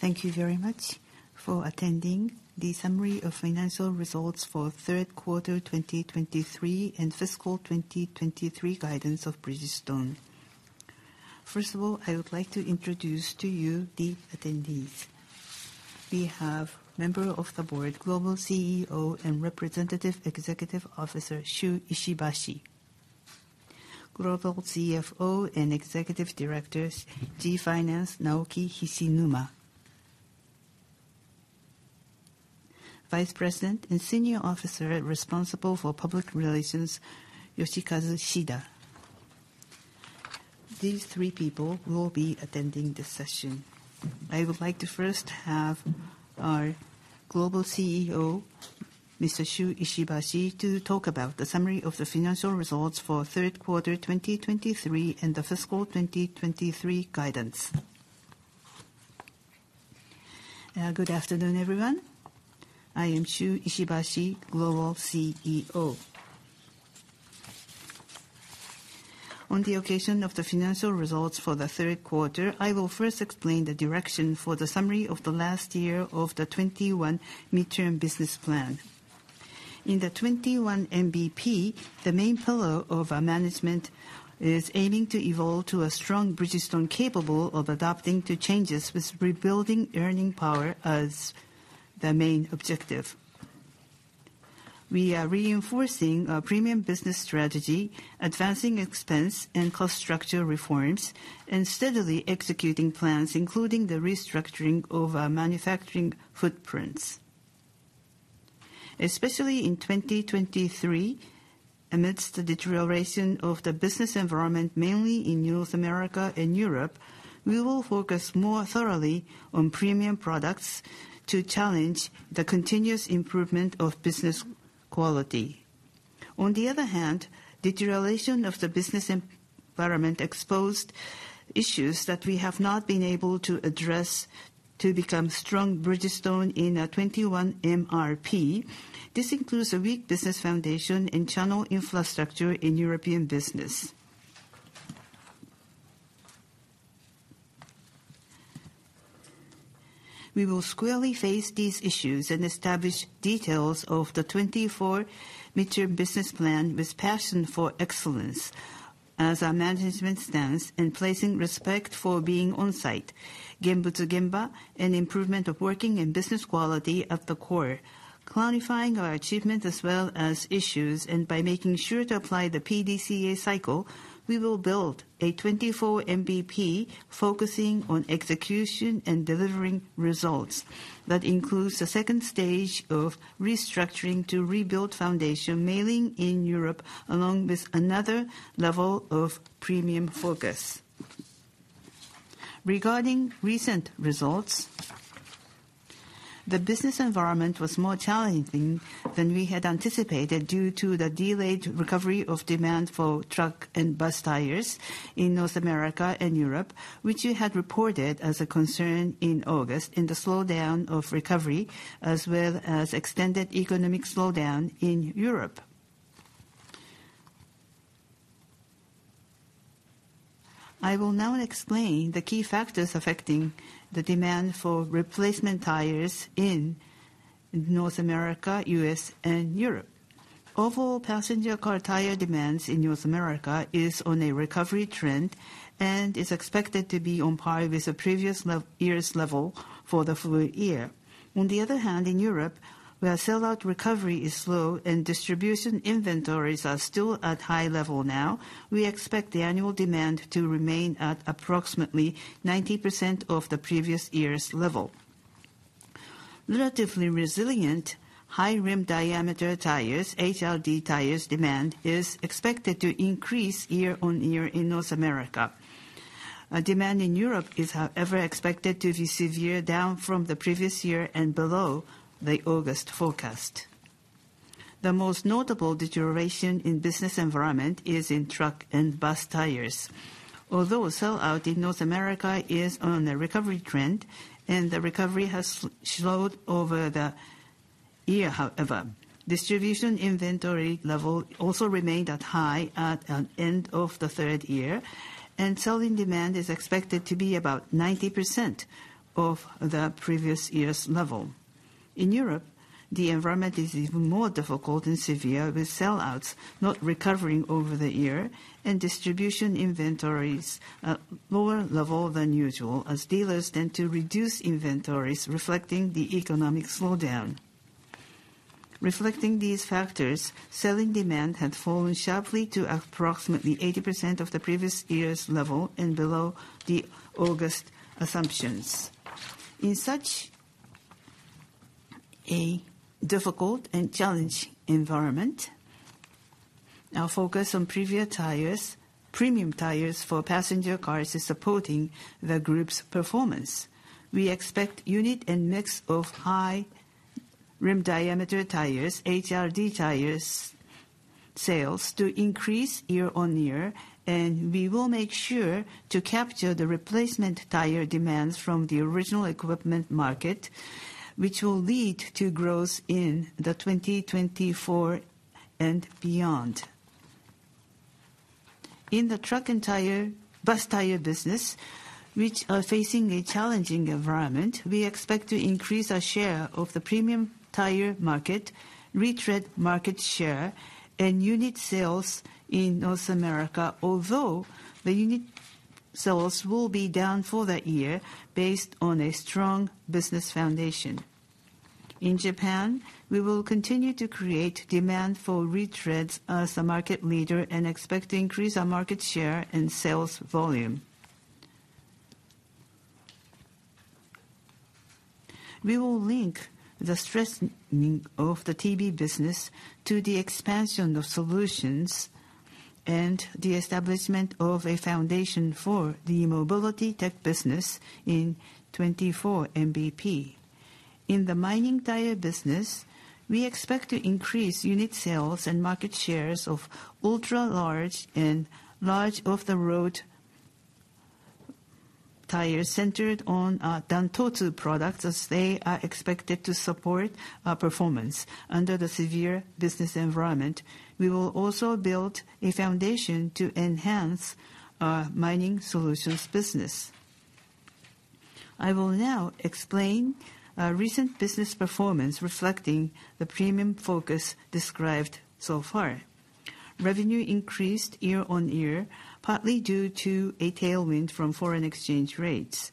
Thank you very much for attending the summary of financial results for third quarter 2023, and fiscal 2023 guidance of Bridgestone. First of all, I would like to introduce to you the attendees. We have member of the board, Global CEO, and Representative Executive Officer, Shu Ishibashi. Global CFO and Executive Director, Global Finance, Naoki Hishinuma. Vice President and Senior Officer responsible for Public Relations, Yoshikazu Shida. These three people will be attending this session. I would like to first have our Global CEO, Mr. Shu Ishibashi, to talk about the summary of the financial results for third quarter 2023, and the fiscal 2023 guidance. Good afternoon, everyone. I am Shu Ishibashi, Global CEO. On the occasion of the financial results for the third quarter, I will first explain the direction for the summary of the last year of the 2021 midterm business plan. In the 2021 MBP, the main pillar of our management is aiming to evolve to a strong Bridgestone capable of adapting to changes, with rebuilding earning power as the main objective. We are reinforcing our premium business strategy, advancing expense and cost structure reforms, and steadily executing plans, including the restructuring of our manufacturing footprints. Especially in 2023, amidst the deterioration of the business environment, mainly in North America and Europe, we will focus more thoroughly on premium products to challenge the continuous improvement of business quality. On the other hand, deterioration of the business environment exposed issues that we have not been able to address to become strong Bridgestone in the 2021 MBP. This includes a weak business foundation and channel infrastructure in European business. We will squarely face these issues and establish details of the 2024 midterm business plan with passion for excellence as our management stance, and placing respect for being on site, Genbutsu Gemba, and improvement of working and business quality at the core. Clarifying our achievements as well as issues, and by making sure to apply the PDCA cycle, we will build a 2024 MBP focusing on execution and delivering results. That includes the second stage of restructuring to rebuild foundation, mainly in Europe, along with another level of premium focus. Regarding recent results, the business environment was more challenging than we had anticipated due to the delayed recovery of demand for truck and bus tires in North America and Europe, which we had reported as a concern in August, and the slowdown of recovery, as well as extended economic slowdown in Europe. I will now explain the key factors affecting the demand for replacement tires in North America, U.S., and Europe. Overall, passenger car tire demands in North America is on a recovery trend, and is expected to be on par with the previous year's level for the full year. On the other hand, in Europe, where sellout recovery is slow and distribution inventories are still at high level now, we expect the annual demand to remain at approximately 90% of the previous year's level. Relatively resilient high rim diameter tires, HRD tires, demand is expected to increase year-on-year in North America. Demand in Europe is, however, expected to be severe, down from the previous year and below the August forecast. The most notable deterioration in business environment is in truck and bus tires. Although sellout in North America is on a recovery trend, and the recovery has slowed over the year, however, distribution inventory level also remained high at the end of the third year, and selling demand is expected to be about 90% of the previous year's level. In Europe, the environment is even more difficult and severe, with sellouts not recovering over the year and distribution inventories at lower level than usual, as dealers tend to reduce inventories, reflecting the economic slowdown. Reflecting these factors, selling demand had fallen sharply to approximately 80% of the previous year's level and below the August assumptions. In such a difficult and challenging environment, our focus on premium tires, premium tires for passenger cars is supporting the group's performance. We expect unit and mix of high rim diameter tires, HRD tires, sales to increase year-on-year, and we will make sure to capture the replacement tire demands from the original equipment market, which will lead to growth in 2024 and beyond. In the truck and bus tire business, which is facing a challenging environment, we expect to increase our share of the premium tire market, retread market share, and unit sales in North America, although the unit sales will be down for the year based on a strong business foundation. In Japan, we will continue to create demand for retreads as a market leader and expect to increase our market share and sales volume. We will link the strengthening of the TB business to the expansion of solutions and the establishment of a foundation for the mobility tech business in 2024 MBP. In the mining tire business, we expect to increase unit sales and market shares of ultra-large and large off-the-road tires centered on Dantotsu products, as they are expected to support performance under the severe business environment. We will also build a foundation to enhance our mining solutions business. I will now explain our recent business performance, reflecting the premium focus described so far. Revenue increased year on year, partly due to a tailwind from foreign exchange rates.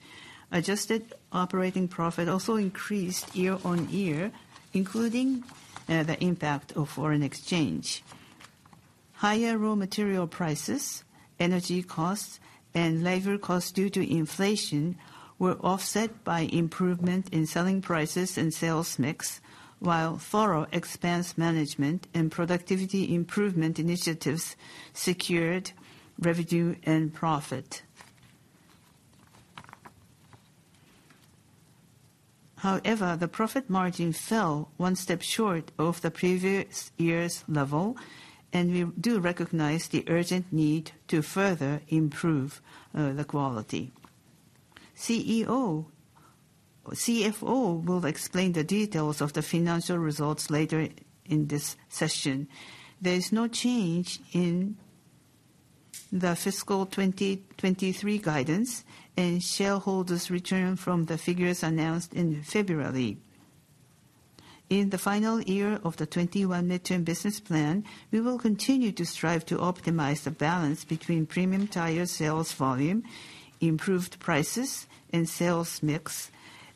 Adjusted operating profit also increased year on year, including the impact of foreign exchange. Higher raw material prices, energy costs, and labor costs due to inflation were offset by improvement in selling prices and sales mix, while thorough expense management and productivity improvement initiatives secured revenue and profit. However, the profit margin fell one step short of the previous year's level, and we do recognize the urgent need to further improve the quality. CFO will explain the details of the financial results later in this session. There is no change in the fiscal 2023 guidance and shareholders' return from the figures announced in February. In the final year of the 2021 midterm business plan, we will continue to strive to optimize the balance between premium tire sales volume, improved prices and sales mix,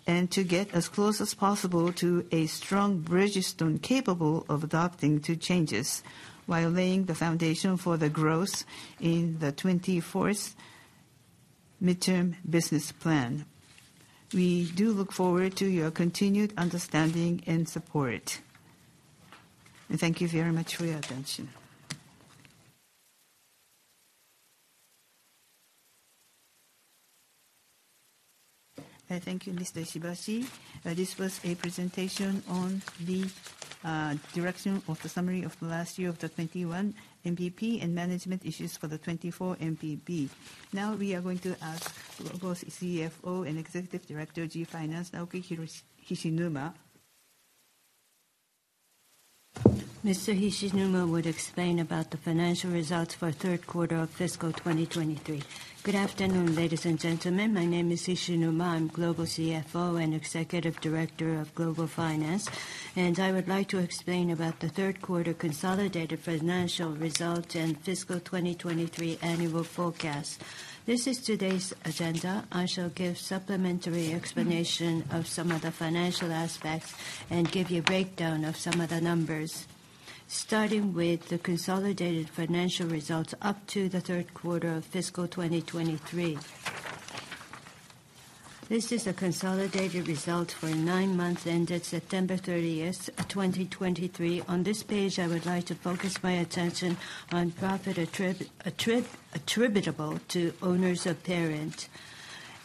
and to get as close as possible to a strong Bridgestone capable of adapting to changes, while laying the foundation for the growth in the 2024 midterm business plan. We do look forward to your continued understanding and support. Thank you very much for your attention. Thank you, Mr. Ishibashi. This was a presentation on the direction of the summary of the last year of the 2021 MBP and management issues for the 2024 MBP. Now we are going to ask Global CFO and Executive Director, Global Finance, Naoki Hishinuma. Mr. Hishinuma would explain about the financial results for third quarter of fiscal 2023. Good afternoon, ladies and gentlemen. My name is Hishinuma. I'm Global CFO and Executive Director of Global Finance, and I would like to explain about the third quarter consolidated financial result and fiscal 2023 annual forecast. This is today's agenda. I shall give supplementary explanation of some of the financial aspects and give you a breakdown of some of the numbers, starting with the consolidated financial results up to the third quarter of fiscal 2023. This is a consolidated result for nine months ended September 30, 2023. On this page, I would like to focus my attention on profit attributable to owners of parent.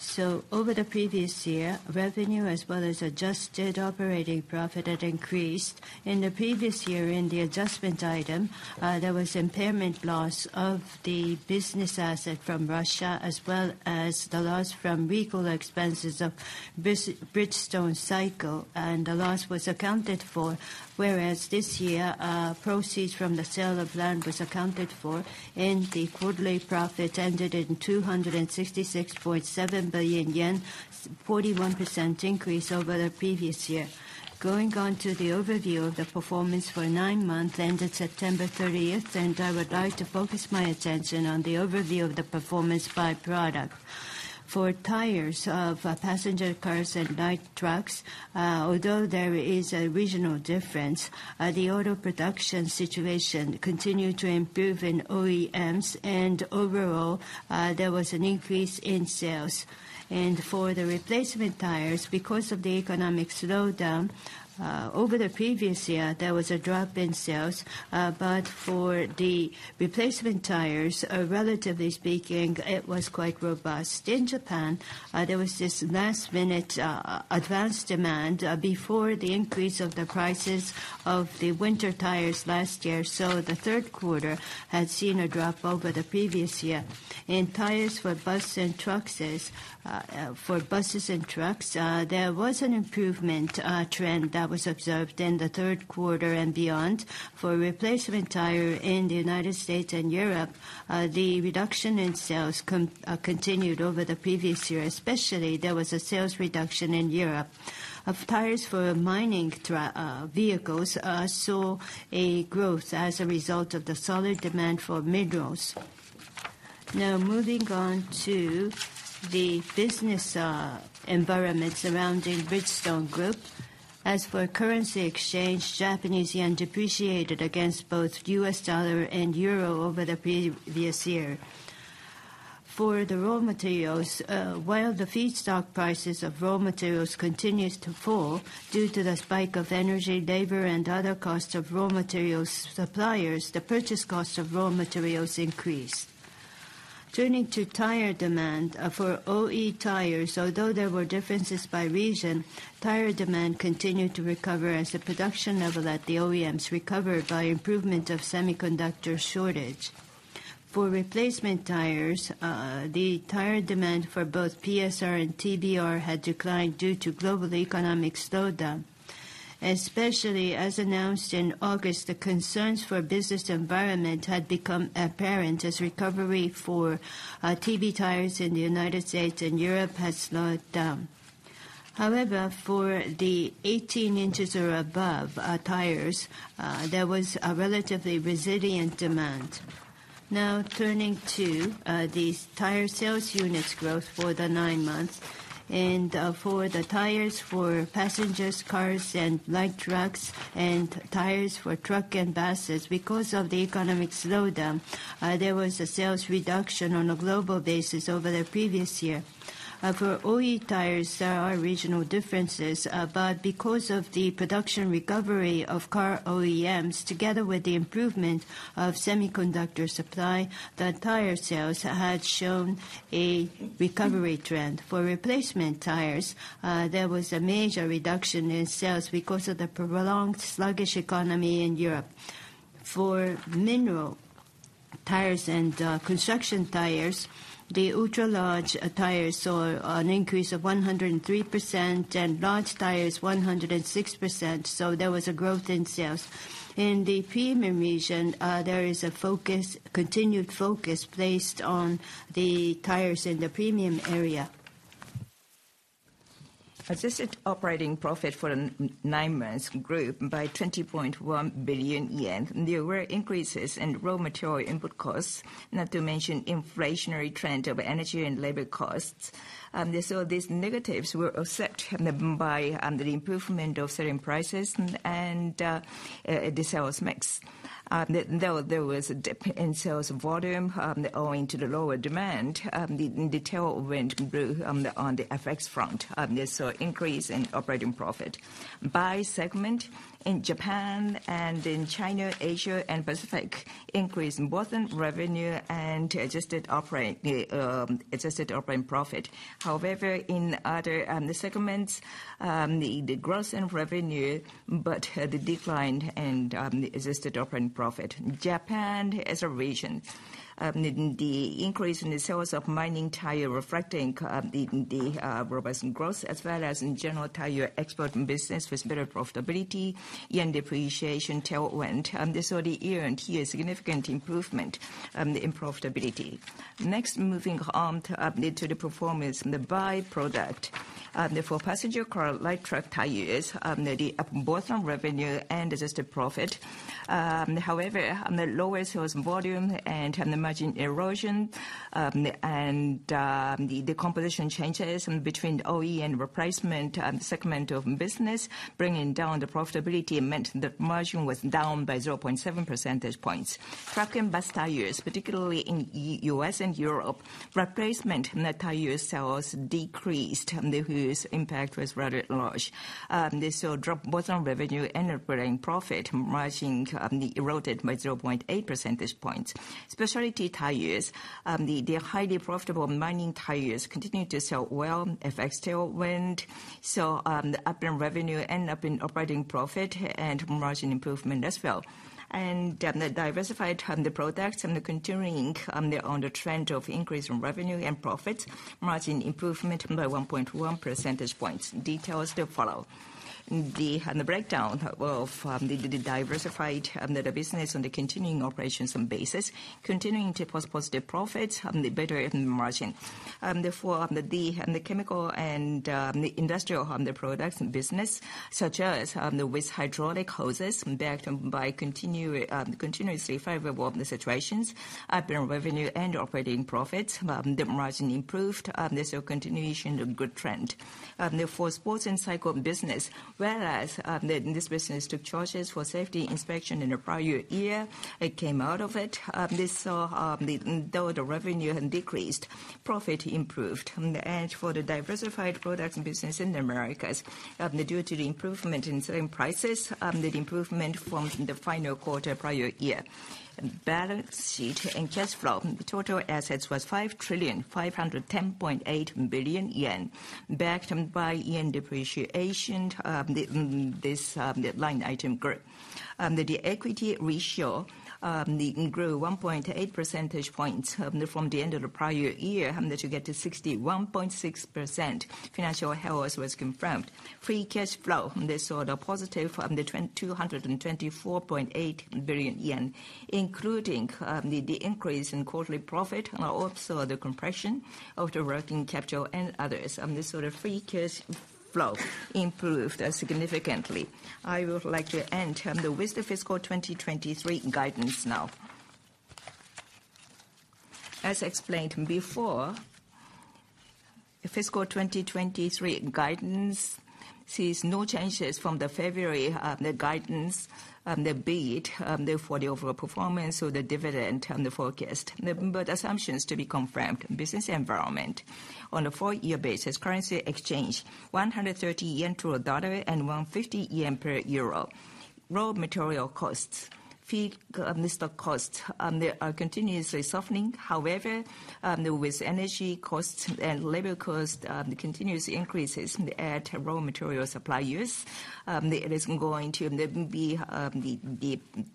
So over the previous year, revenue as well as adjusted operating profit had increased. In the previous year, in the adjustment item, there was impairment loss of the business asset from Russia, as well as the loss from legal expenses of Bridgestone Cycle, and the loss was accounted for, whereas this year, proceeds from the sale of land was accounted for, and the quarterly profit ended in 266.7 billion yen, 41% increase over the previous year. Going on to the overview of the performance for nine months ended September thirtieth, and I would like to focus my attention on the overview of the performance by product. For tires of passenger cars and light trucks, although there is a regional difference, the auto production situation continued to improve in OEMs, and overall, there was an increase in sales. For the replacement tires, because of the economic slowdown over the previous year, there was a drop in sales, but for the replacement tires, relatively speaking, it was quite robust. In Japan, there was this last minute advanced demand before the increase of the prices of the winter tires last year, so the third quarter had seen a drop over the previous year. In tires for buses and trucks, there was an improvement trend that was observed in the third quarter and beyond. For replacement tires in the United States and Europe, the reduction in sales continued over the previous year, especially there was a sales reduction in Europe. Of tires for mining vehicles saw a growth as a result of the solid demand for minerals.... Now moving on to the business environment surrounding Bridgestone Group. As for currency exchange, Japanese yen depreciated against both U.S. dollar and euro over the previous year. For the raw materials, while the feedstock prices of raw materials continues to fall due to the spike of energy, labor, and other costs of raw materials suppliers, the purchase cost of raw materials increased. Turning to tire demand for OE tires, although there were differences by region, tire demand continued to recover as the production level at the OEMs recovered by improvement of semiconductor shortage. For replacement tires, the tire demand for both PSR and TBR had declined due to global economic slowdown. Especially, as announced in August, the concerns for business environment had become apparent as recovery for TB tires in the United States and Europe has slowed down. However, for the 18 inches or above, tires, there was a relatively resilient demand. Now, turning to the tire sales units growth for the nine months and for the tires for passenger cars and light trucks and tires for trucks and buses, because of the economic slowdown, there was a sales reduction on a global basis over the previous year. For OE tires, there are regional differences, but because of the production recovery of car OEMs, together with the improvement of semiconductor supply, the tire sales had shown a recovery trend. For replacement tires, there was a major reduction in sales because of the prolonged sluggish economy in Europe. For mining tires and construction tires, the ultra-large tires saw an increase of 103% and large tires 106%, so there was a growth in sales. In the premium region, there is a continued focus placed on the tires in the premium area. Adjusted operating profit for nine months grew by 20.1 billion yen. There were increases in raw material input costs, not to mention the inflationary trend of energy and labor costs. So these negatives were offset by the improvement of selling prices and the sales mix. There was a dip in sales volume owing to the lower demand, the tailwind from the FX front, so increase in operating profit. By segment, in Japan and in China, Asia Pacific, increase in both revenue and adjusted operating profit. However, in other segments, the growth in revenue, but had a decline in adjusted operating profit. Japan as a region, the increase in the sales of mining tire reflecting the robust growth, as well as in general tire export business with better profitability, yen depreciation tailwind, this saw the year and here significant improvement in profitability. Next, moving on to the performance in the by product. For passenger car, light truck tires, the up both on revenue and adjusted profit. However, on the lowest sales volume and on the margin erosion, and the composition changes between OE and replacement segment of business, bringing down the profitability meant the margin was down by 0.7 percentage points. Truck and bus tires, particularly in U.S. and Europe, replacement tire sales decreased, and the whose impact was rather large. This saw a drop both on revenue and operating profit, margin eroded by 0.8 percentage points. Specialty tires, the highly profitable mining tires continued to sell well, FX tailwind, so the up in revenue and up in operating profit and margin improvement as well. The diversified products and the continuing on the trend of increase in revenue and profits, margin improvement by 1.1 percentage points. Details to follow. On the breakdown of the diversified business on the continuing operations basis, continuing to post positive profits and the better in margin. Therefore, on the chemical and the industrial products and business, such as the with hydraulic hoses, backed by continuously favorable situations, up in revenue and operating profits, the margin improved, this saw continuation of good trend. Therefore, sports and cycle business, whereas this business took charges for safety inspection in the prior year, it came out of it. This saw, though the revenue had decreased, profit improved. And for the diversified products business in the Americas, due to the improvement in selling prices, the improvement formed in the final quarter prior year. Balance sheet and cash flow. The total assets was 5,510.8 billion yen, backed by yen depreciation, the this line item group. The equity ratio grew 1.8 percentage points from the end of the prior year, that should get to 61.6%. Financial health was confirmed. Free cash flow, this saw the positive from the 224.8 billion yen, including the increase in quarterly profit, also the compression of the working capital and others. This saw the free cash flow improved significantly. I would like to end on the with the fiscal 2023 guidance now. ...As explained before, the fiscal 2023 guidance sees no changes from the February guidance. Therefore, the overall performance of the dividend and the forecast. But assumptions to be confirmed. Business environment, on a four-year basis, currency exchange, 130 yen to a dollar and 150 yen per euro. Raw material costs, feedstock costs, they are continuously softening. However, with energy costs and labor costs, the continuous increases in the add raw material supply use, it is going to be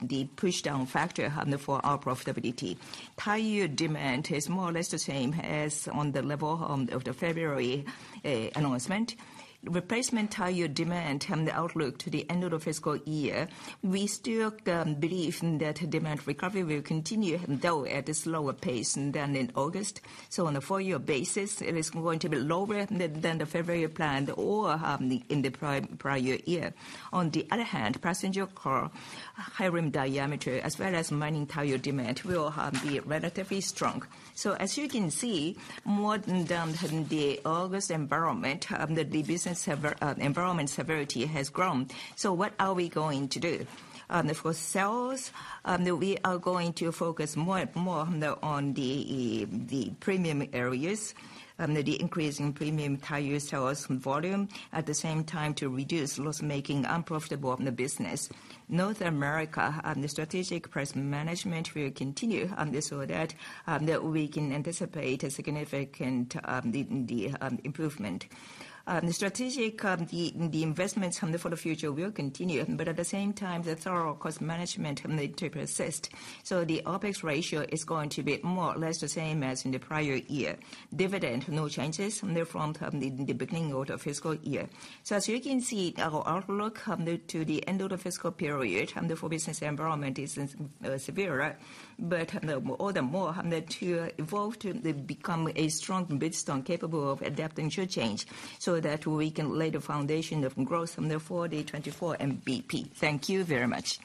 the push down factor for our profitability. Tire demand is more or less the same as on the level of the February announcement. Replacement tire demand and the outlook to the end of the fiscal year, we still believe in that demand recovery will continue, though at a slower pace than in August. So on a four-year basis, it is going to be lower than the February plan or in the prior year. On the other hand, passenger car high rim diameter, as well as mining tire demand, will be relatively strong. So as you can see, more than the August environment, the business environment severity has grown. So what are we going to do? For sales, we are going to focus more and more on the premium areas, the increase in premium tire sales volume, at the same time to reduce loss-making, unprofitable in the business. North America, the strategic price management will continue, so that we can anticipate a significant improvement. The strategic investments for the future will continue, but at the same time, the thorough cost management need to persist. So the OpEx ratio is going to be more or less the same as in the prior year. Dividend, no changes from the beginning of the fiscal year. So as you can see, our outlook to the end of the fiscal period, the full business environment is severe, but all the more to evolve to become a strong Bridgestone, capable of adapting to change, so that we can lay the foundation of growth from the 2024 MBP. Thank you very much.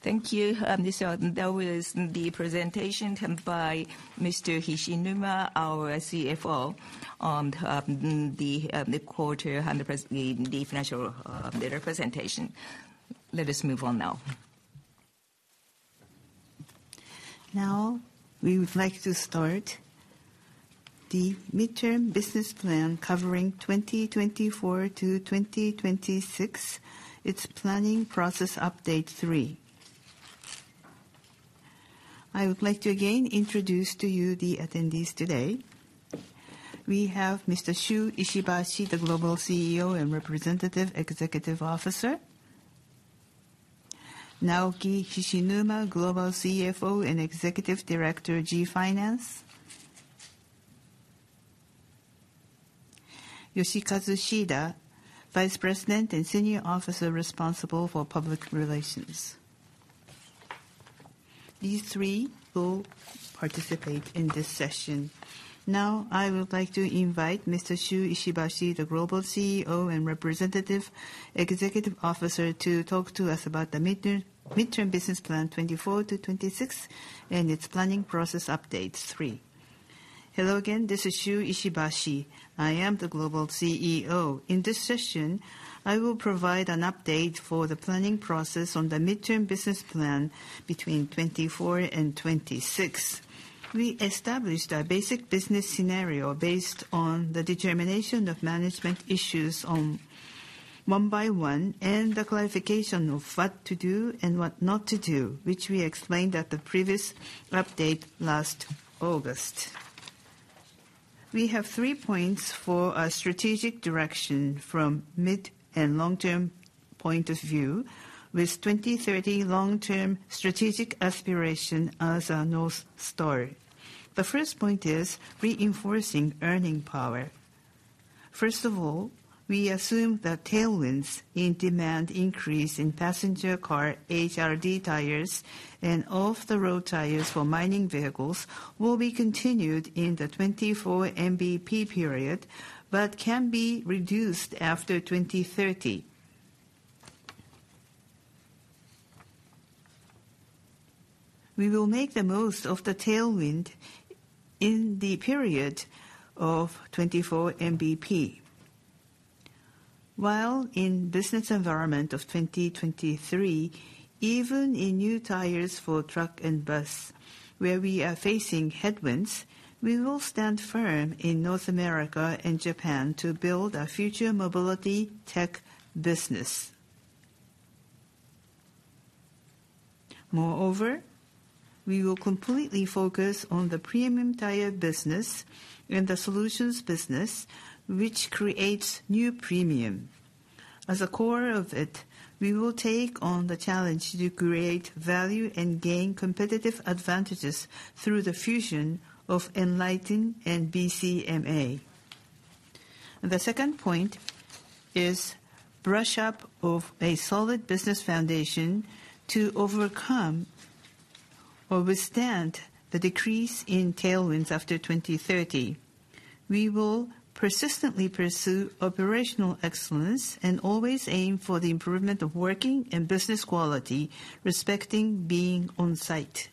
Thank you. So that was the presentation done by Mr. Hishinuma, our CFO, on the quarter and the financial presentation. Let us move on now. Now, we would like to start the midterm business plan covering 2024 to 2026. It's planning process update three. I would like to again introduce to you the attendees today. We have Mr. Shu Ishibashi, the Global CEO and Representative Executive Officer. Naoki Hishinuma, Global CFO and Executive Director, Global Finance. Yoshikazu Shida, Vice President and Senior Officer Responsible for Public Relations. These three will participate in this session. Now, I would like to invite Mr. Shu Ishibashi, the Global CEO and Representative Executive Officer, to talk to us about the midterm business plan 2024 to 2026, and its planning process update three. Hello again, this is Shu Ishibashi. I am the Global CEO. In this session, I will provide an update for the planning process on the midterm business plan between 2024 and 2026. We established a basic business scenario based on the determination of management issues one by one, and the clarification of what to do and what not to do, which we explained at the previous update last August. We have three points for our strategic direction from mid- and long-term point of view, with 2030 long-term strategic aspiration as our North Star. The first point is reinforcing earning power. First of all, we assume that tailwinds in demand increase in passenger car, HRD tires, and off-the-road tires for mining vehicles will be continued in the 2024 MBP period, but can be reduced after 2030. We will make the most of the tailwind in the period of 2024 MBP. While in business environment of 2023, even in new tires for truck and bus, where we are facing headwinds, we will stand firm in North America and Japan to build our future mobility tech business. Moreover, we will completely focus on the premium tire business and the solutions business, which creates new premium. As a core of it, we will take on the challenge to create value and gain competitive advantages through the fusion of ENLITEN and BCMA. The second point is brush up of a solid business foundation to overcome or withstand the decrease in tailwinds after 2030. We will persistently pursue operational excellence and always aim for the improvement of working and business quality, respecting being on site.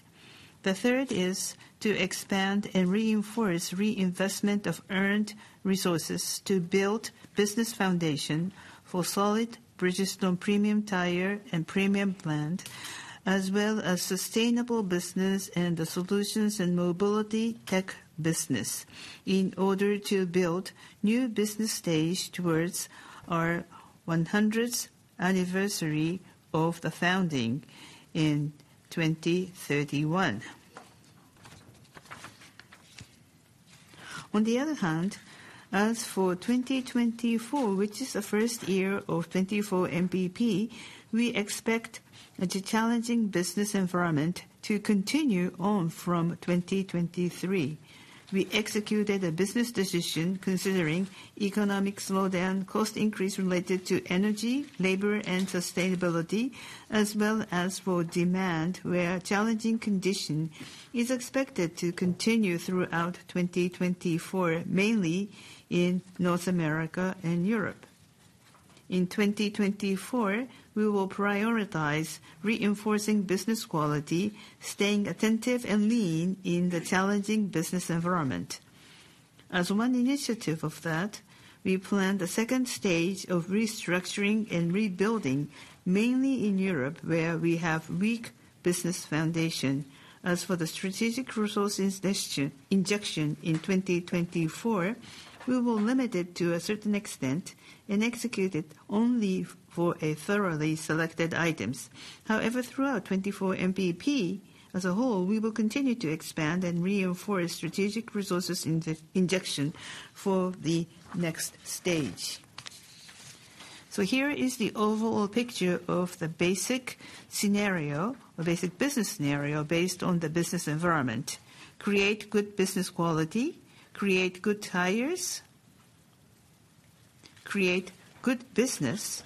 The third is to expand and reinforce reinvestment of earned resources to build business foundation for solid Bridgestone premium tire and premium brand, as well as sustainable business and the solutions and mobility tech business, in order to build new business stage towards our 100th anniversary of the founding in 2031. On the other hand, as for 2024, which is the first year of 2024 MBP, we expect it's a challenging business environment to continue on from 2023. We executed a business decision considering economic slowdown, cost increase related to energy, labor, and sustainability, as well as for demand, where challenging condition is expected to continue throughout 2024, mainly in North America and Europe. In 2024, we will prioritize reinforcing business quality, staying attentive and lean in the challenging business environment. As one initiative of that, we plan the second stage of restructuring and rebuilding, mainly in Europe, where we have weak business foundation. As for the strategic resources destined injection in 2024, we will limit it to a certain extent and execute it only for a thoroughly selected items. However, throughout 2024 MBP, as a whole, we will continue to expand and reinforce strategic resources injection for the next stage. So here is the overall picture of the basic scenario or basic business scenario based on the business environment. Create good business quality, create good tires, create good business,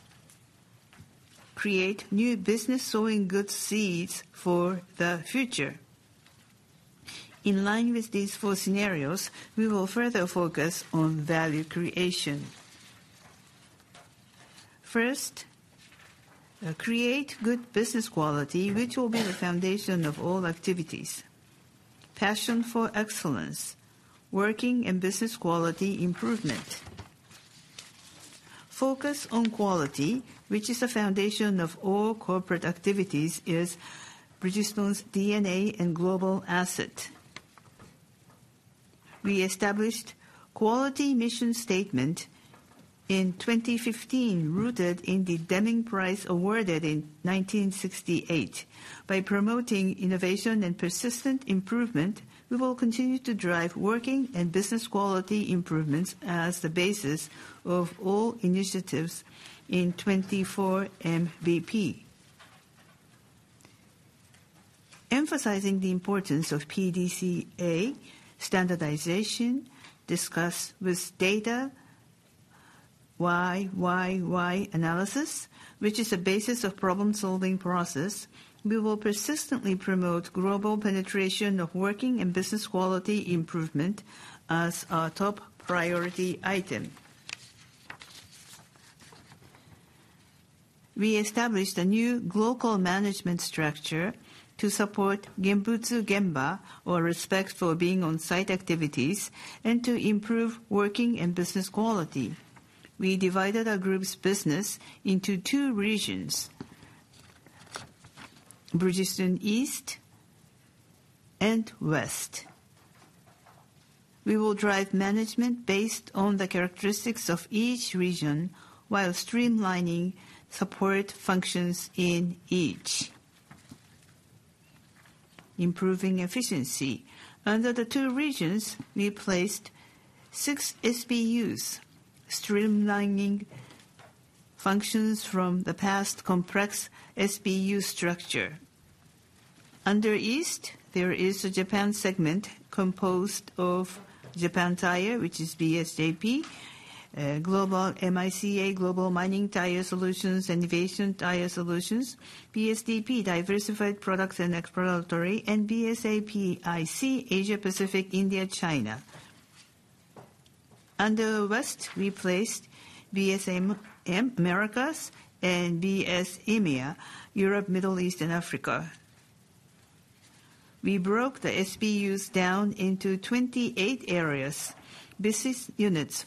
create new business, sowing good seeds for the future. In line with these four scenarios, we will further focus on value creation. First, create good business quality, which will be the foundation of all activities. Passion for excellence, working and business quality improvement. Focus on quality, which is the foundation of all corporate activities, is Bridgestone's DNA and global asset. We established quality mission statement in 2015, rooted in the Deming Prize awarded in 1968. By promoting innovation and persistent improvement, we will continue to drive working and business quality improvements as the basis of all initiatives in 2024 MBP. Emphasizing the importance of PDCA standardization, discuss with data why, why, why analysis, which is the basis of problem-solving process, we will persistently promote global penetration of working and business quality improvement as our top priority item. We established a new global management structure to support Genbutsu Gemba or respect for being on-site activities and to improve working and business quality. We divided our group's business into two regions: Bridgestone East and Bridgestone West. We will drive management based on the characteristics of each region, while streamlining support functions in each. Improving efficiency. Under the two regions, we placed six SBUs, streamlining functions from the past complex SBU structure. Under East, there is a Japan segment composed of Japan Tire, which is BSJP, Global MICA, Global Mining Tire Solutions, Innovation Tire Solutions, BSDP, Diversified Products and Exploratory, and BSAPIC, Asia Pacific, India, China. Under West, we placed BSAM Americas and BS EMEA, Europe, Middle East, and Africa. We broke the SBUs down into 28 areas. Business units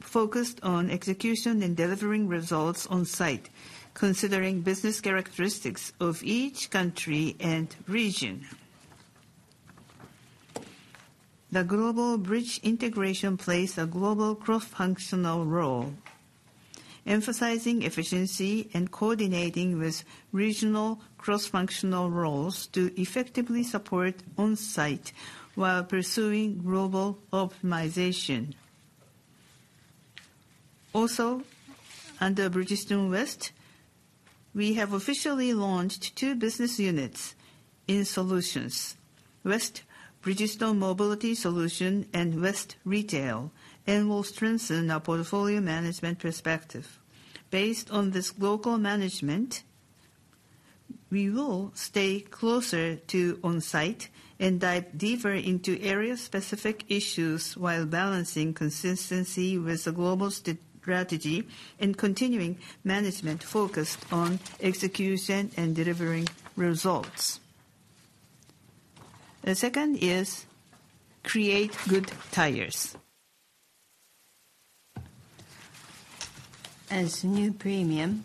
focused on execution and delivering results on site, considering business characteristics of each country and region. The global Bridgestone integration plays a global cross-functional role, emphasizing efficiency and coordinating with regional cross-functional roles to effectively support on site while pursuing global optimization. Also, under Bridgestone West, we have officially launched two business units in solutions: West Bridgestone Mobility Solutions and West Retail, and will strengthen our portfolio management perspective. Based on this global management-... We will stay closer to on-site and dive deeper into area-specific issues while balancing consistency with the global strategy, and continuing management focused on execution and delivering results. The second is create good tires. As new premium,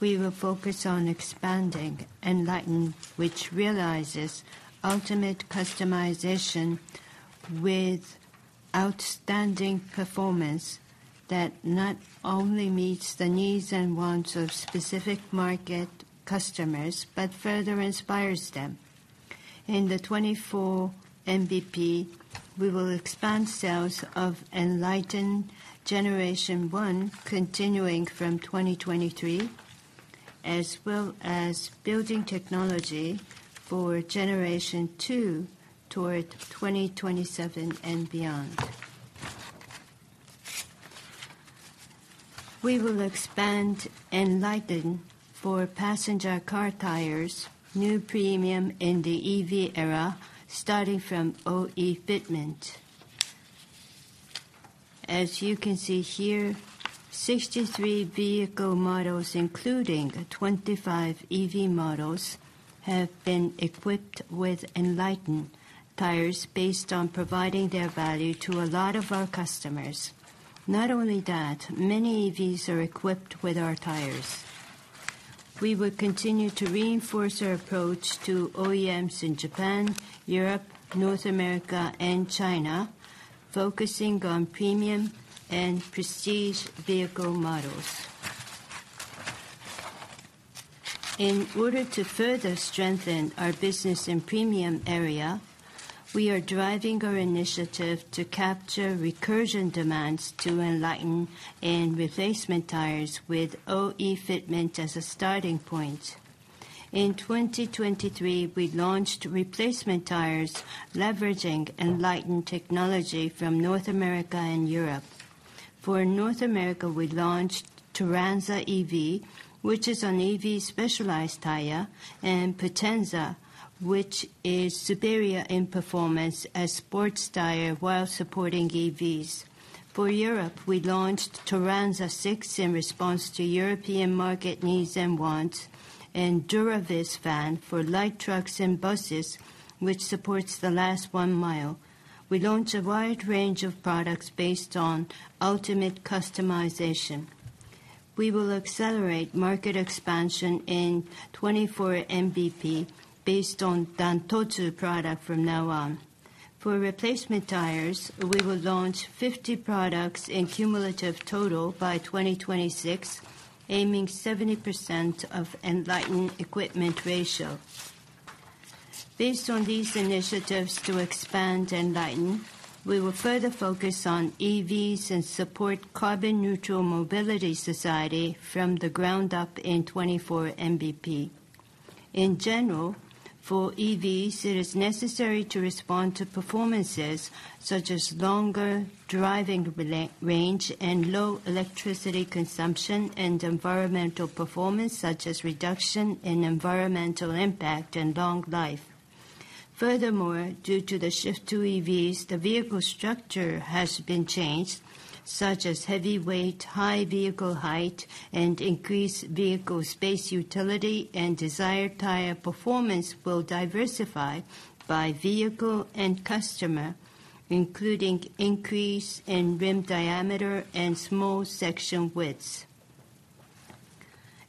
we will focus on expanding ENLITEN, which realizes ultimate customization with outstanding performance that not only meets the needs and wants of specific market customers, but further inspires them. In the 24 MBP, we will expand sales of ENLITEN generation one, continuing from 2023, as well as building technology for generation two toward 2027 and beyond. We will expand ENLITEN for passenger car tires, new premium in the EV era, starting from OE fitment. As you can see here, 63 vehicle models, including 25 EV models, have been equipped with ENLITEN tires based on providing their value to a lot of our customers. Not only that, many EVs are equipped with our tires. We will continue to reinforce our approach to OEMs in Japan, Europe, North America, and China, focusing on premium and prestige vehicle models. In order to further strengthen our business in premium area, we are driving our initiative to capture recursion demands to ENLITEN in replacement tires with OE fitment as a starting point. In 2023, we launched replacement tires, leveraging ENLITEN technology from North America and Europe. For North America, we launched Turanza EV, which is an EV specialized tire, and Potenza, which is superior in performance as sports tire while supporting EVs. For Europe, we launched Turanza 6 in response to European market needs and wants, and Duravis Van for light trucks and buses, which supports the last one mile. We launched a wide range of products based on ultimate customization. We will accelerate market expansion in 24 MBP, based on Dantotsu product from now on. For replacement tires, we will launch 50 products in cumulative total by 2026, aiming 70% ENLITEN equipment ratio. Based on these initiatives to expand ENLITEN, we will further focus on EVs and support carbon neutral mobility society from the ground up in 24 MBP. In general, for EVs, it is necessary to respond to performances such as longer driving range and low electricity consumption, and environmental performance, such as reduction in environmental impact and long life. Furthermore, due to the shift to EVs, the vehicle structure has been changed, such as heavy weight, high vehicle height, and increased vehicle space utility, and desired tire performance will diversify by vehicle and customer, including increase in rim diameter and small section widths.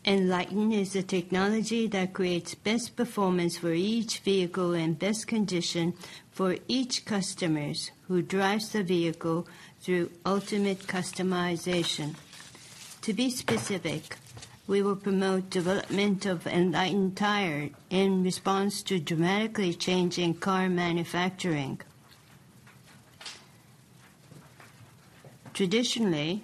ENLITEN is a technology that creates best performance for each vehicle and best condition for each customers who drives the vehicle through ultimate customization. To be specific, we will promote development of ENLITEN tire in response to dramatically changing car manufacturing. Traditionally,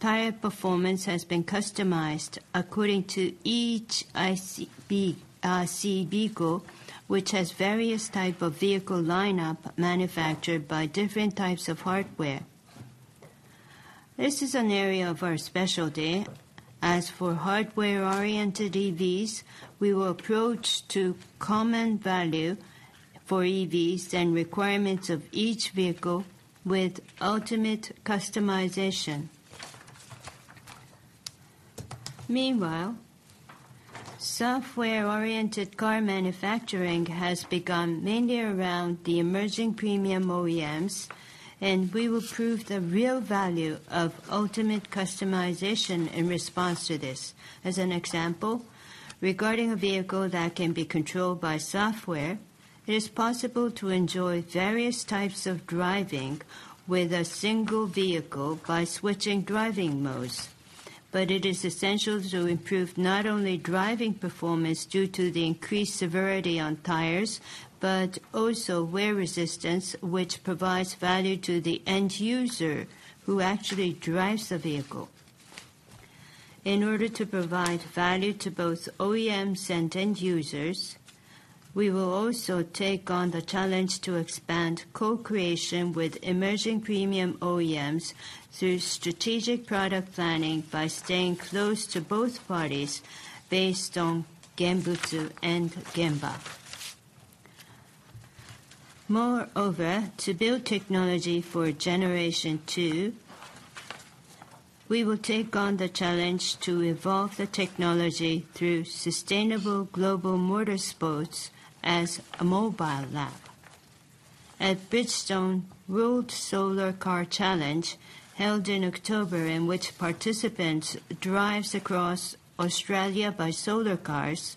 tire performance has been customized according to each ICE vehicle, which has various type of vehicle lineup manufactured by different types of hardware. This is an area of our specialty. As for hardware-oriented EVs, we will approach to common value for EVs and requirements of each vehicle with ultimate customization. Meanwhile, software-oriented car manufacturing has begun mainly around the emerging premium OEMs, and we will prove the real value of ultimate customization in response to this. As an example, regarding a vehicle that can be controlled by software, it is possible to enjoy various types of driving with a single vehicle by switching driving modes. But it is essential to improve not only driving performance due to the increased severity on tires, but also wear resistance, which provides value to the end user who actually drives the vehicle. In order to provide value to both OEMs and end users. We will also take on the challenge to expand co-creation with emerging premium OEMs through strategic product planning by staying close to both parties based on Genbutsu Gemba. Moreover, to build technology for generation two, we will take on the challenge to evolve the technology through sustainable global motorsports as a mobile lab. At Bridgestone World Solar Challenge, held in October, in which participants drives across Australia by solar cars,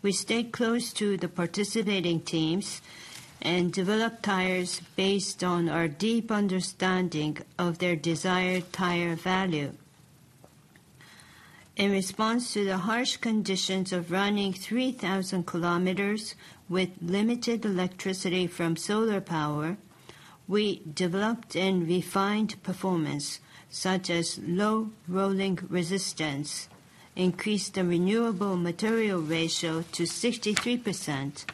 we stay close to the participating teams and develop tires based on our deep understanding of their desired tire value. In response to the harsh conditions of running 3,000 kilometers with limited electricity from solar power, we developed and refined performance, such as low rolling resistance, increased the renewable material ratio to 63%,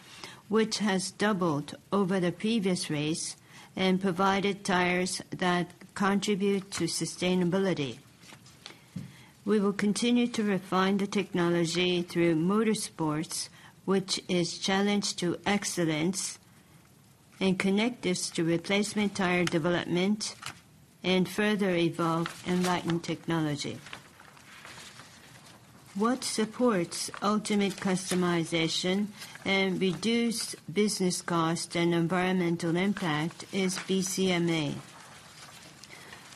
which has doubled over the previous race, and provided tires that contribute to sustainability. We will continue to refine the technology through motorsports, which is challenged to excellence, and connect this to replacement tire development and further evolve ENLITEN technology. What supports ultimate customization and reduced business cost and environmental impact is BCMA.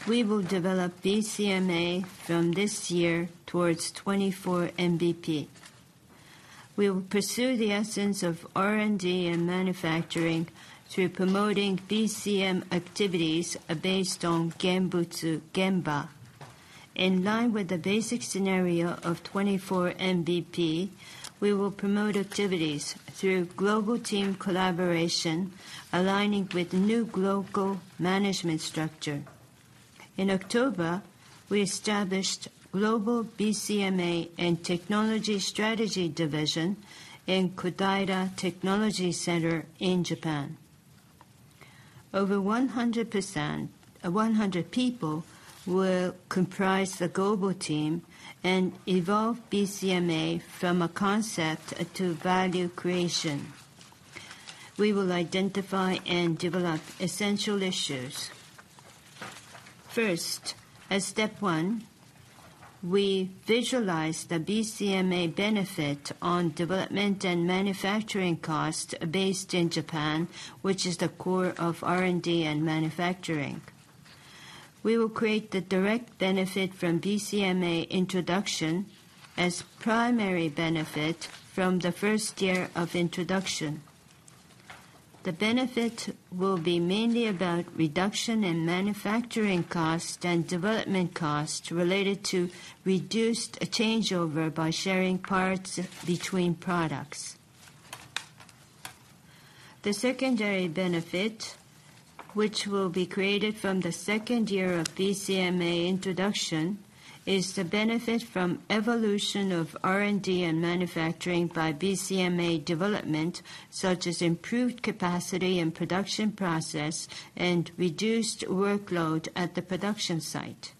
We will develop BCMA from this year towards 2024 MBP. We will pursue the essence of R&D and manufacturing through promoting BCMA activities based on Genbutsu Gemba. In line with the basic scenario of 2024 MBP, we will promote activities through global team collaboration, aligning with the new global management structure. In October, we established global BCMA and Technology Strategy Division in Kodaira Technology Center in Japan. One hundred people will comprise the global team and evolve BCMA from a concept to value creation. We will identify and develop essential issues. First, as step one, we visualize the BCMA benefit on development and manufacturing cost based in Japan, which is the core of R&D and manufacturing. We will create the direct benefit from BCMA introduction as primary benefit from the first year of introduction. The benefit will be mainly about reduction in manufacturing cost and development cost related to reduced changeover by sharing parts between products. The secondary benefit, which will be created from the second year of BCMA introduction, is the benefit from evolution of R&D and manufacturing by BCMA development, such as improved capacity and production process, and reduced workload at the production site.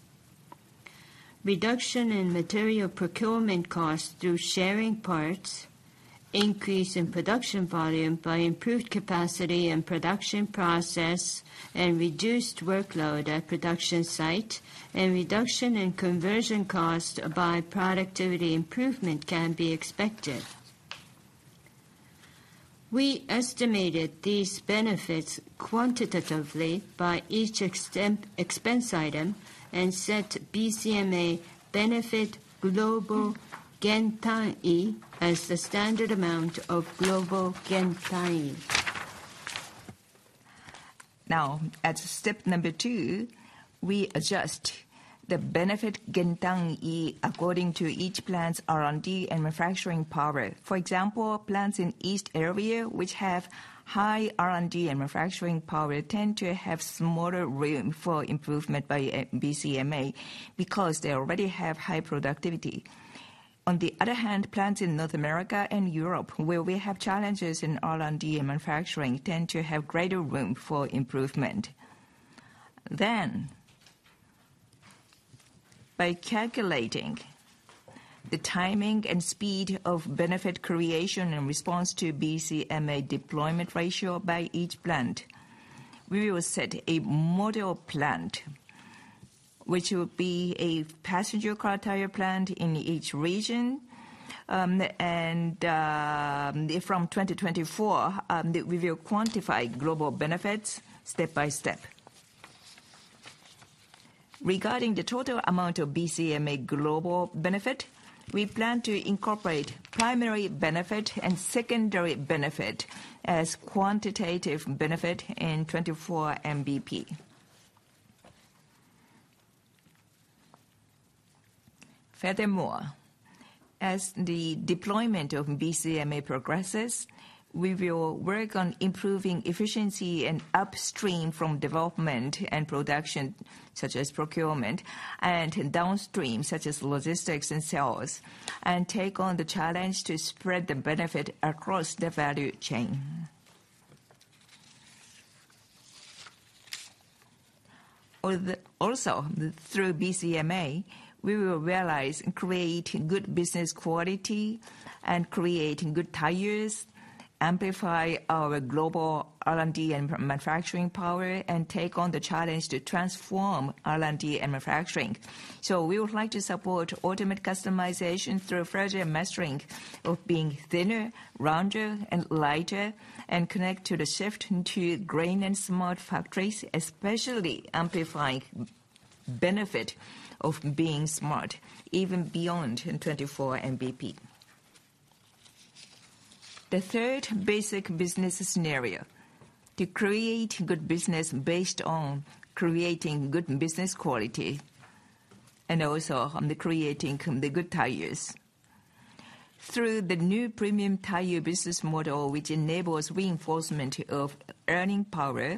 Reduction in material procurement costs through sharing parts, increase in production volume by improved capacity and production process, and reduced workload at production site, and reduction in conversion cost by productivity improvement can be expected. We estimated these benefits quantitatively by each expense item and set BCMA benefit global Gentani as the standard amount of global Gentani. Now, as step number two, we adjust the benefit Gentani according to each plant's R&D and manufacturing power. For example, plants in East area, which have high R&D and manufacturing power, tend to have smaller room for improvement by BCMA, because they already have high productivity. On the other hand, plants in North America and Europe, where we have challenges in R&D and manufacturing, tend to have greater room for improvement. Then, by calculating the timing and speed of benefit creation in response to BCMA deployment ratio by each plant, we will set a model plant, which will be a passenger car tire plant in each region. From 2024, we will quantify global benefits step by step. Regarding the total amount of BCMA global benefit, we plan to incorporate primary benefit and secondary benefit as quantitative benefit in 2024 MBP. Furthermore, as the deployment of BCMA progresses, we will work on improving efficiency and upstream from development and production, such as procurement, and downstream, such as logistics and sales, and take on the challenge to spread the benefit across the value chain. Also, through BCMA, we will realize and create good business quality and creating good tires, amplify our global R&D and manufacturing power, and take on the challenge to transform R&D and manufacturing. So we would like to support ultimate customization through further mastering of being thinner, rounder, and lighter, and connect to the shift into green and smart factories, especially amplifying benefit of being smart, even beyond in 2024 MBP. The third basic business scenario: to create good business based on creating good business quality, and also on the creating the good tires. Through the new premium tire business model, which enables reinforcement of earning power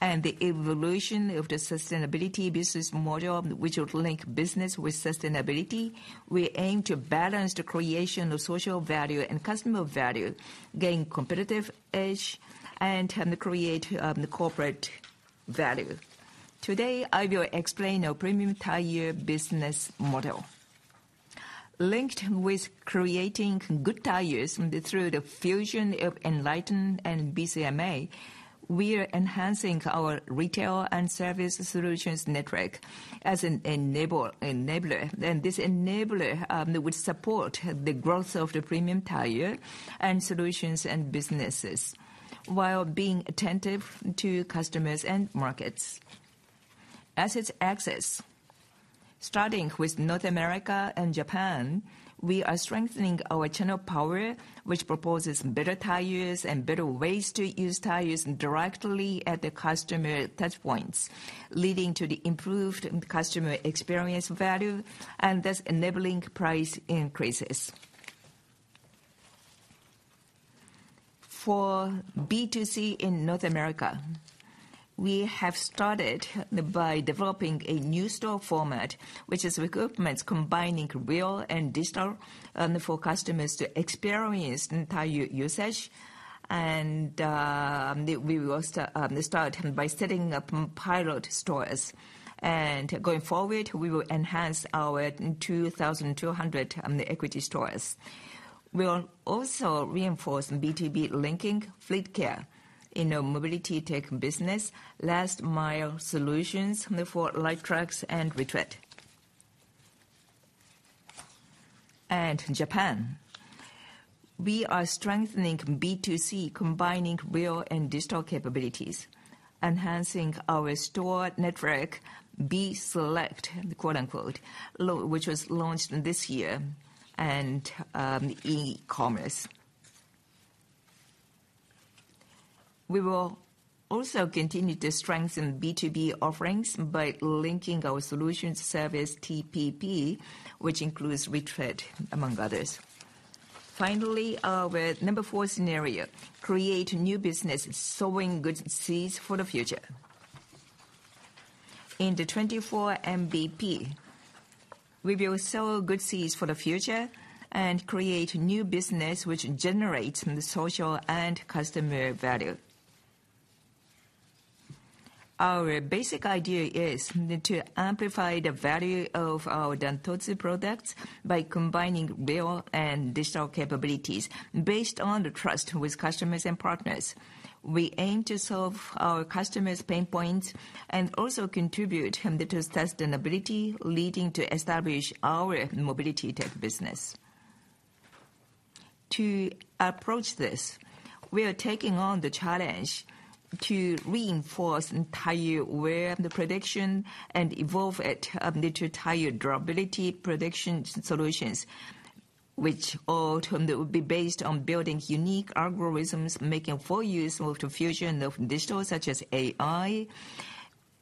and the evolution of the sustainability business model, which will link business with sustainability, we aim to balance the creation of social value and customer value, gain competitive edge, and create the corporate value. Today, I will explain our premium tire business model. Linked with creating good tires through the fusion of ENLITEN and BCMA, we are enhancing our retail and service solutions network as an enabler. And this enabler will support the growth of the premium tire and solutions and businesses, while being attentive to customers and markets. As its access, starting with North America and Japan, we are strengthening our channel power, which proposes better tires and better ways to use tires directly at the customer touch points, leading to the improved customer experience value and thus enabling price increases. For B2C in North America, we have started by developing a new store format, which is recruitments combining real and digital, for customers to experience tire usage. And we will start by setting up pilot stores. And going forward, we will enhance our 2,200 equity stores. We are also reinforcing B2B linking Fleet Care in our mobility tech business, last mile solutions for light trucks and retread. And Japan, we are strengthening B2C, combining real and digital capabilities, enhancing our store network, “B-Select,” which was launched this year, and e-commerce. We will also continue to strengthen B2B offerings by linking our solution service, TPP, which includes retread, among others. Finally, our number 4 scenario, create new business, sowing good seeds for the future. In the 2024 MBP, we will sow good seeds for the future and create new business which generates the social and customer value. Our basic idea is to amplify the value of our Dantotsu products by combining real and digital capabilities. Based on the trust with customers and partners, we aim to solve our customers' pain points and also contribute to sustainability, leading to establish our mobility tech business. To approach this, we are taking on the challenge to reinforce entire wear and the prediction and evolve it to tire durability prediction solutions, which all will be based on building unique algorithms, making full use of the fusion of digital, such as AI,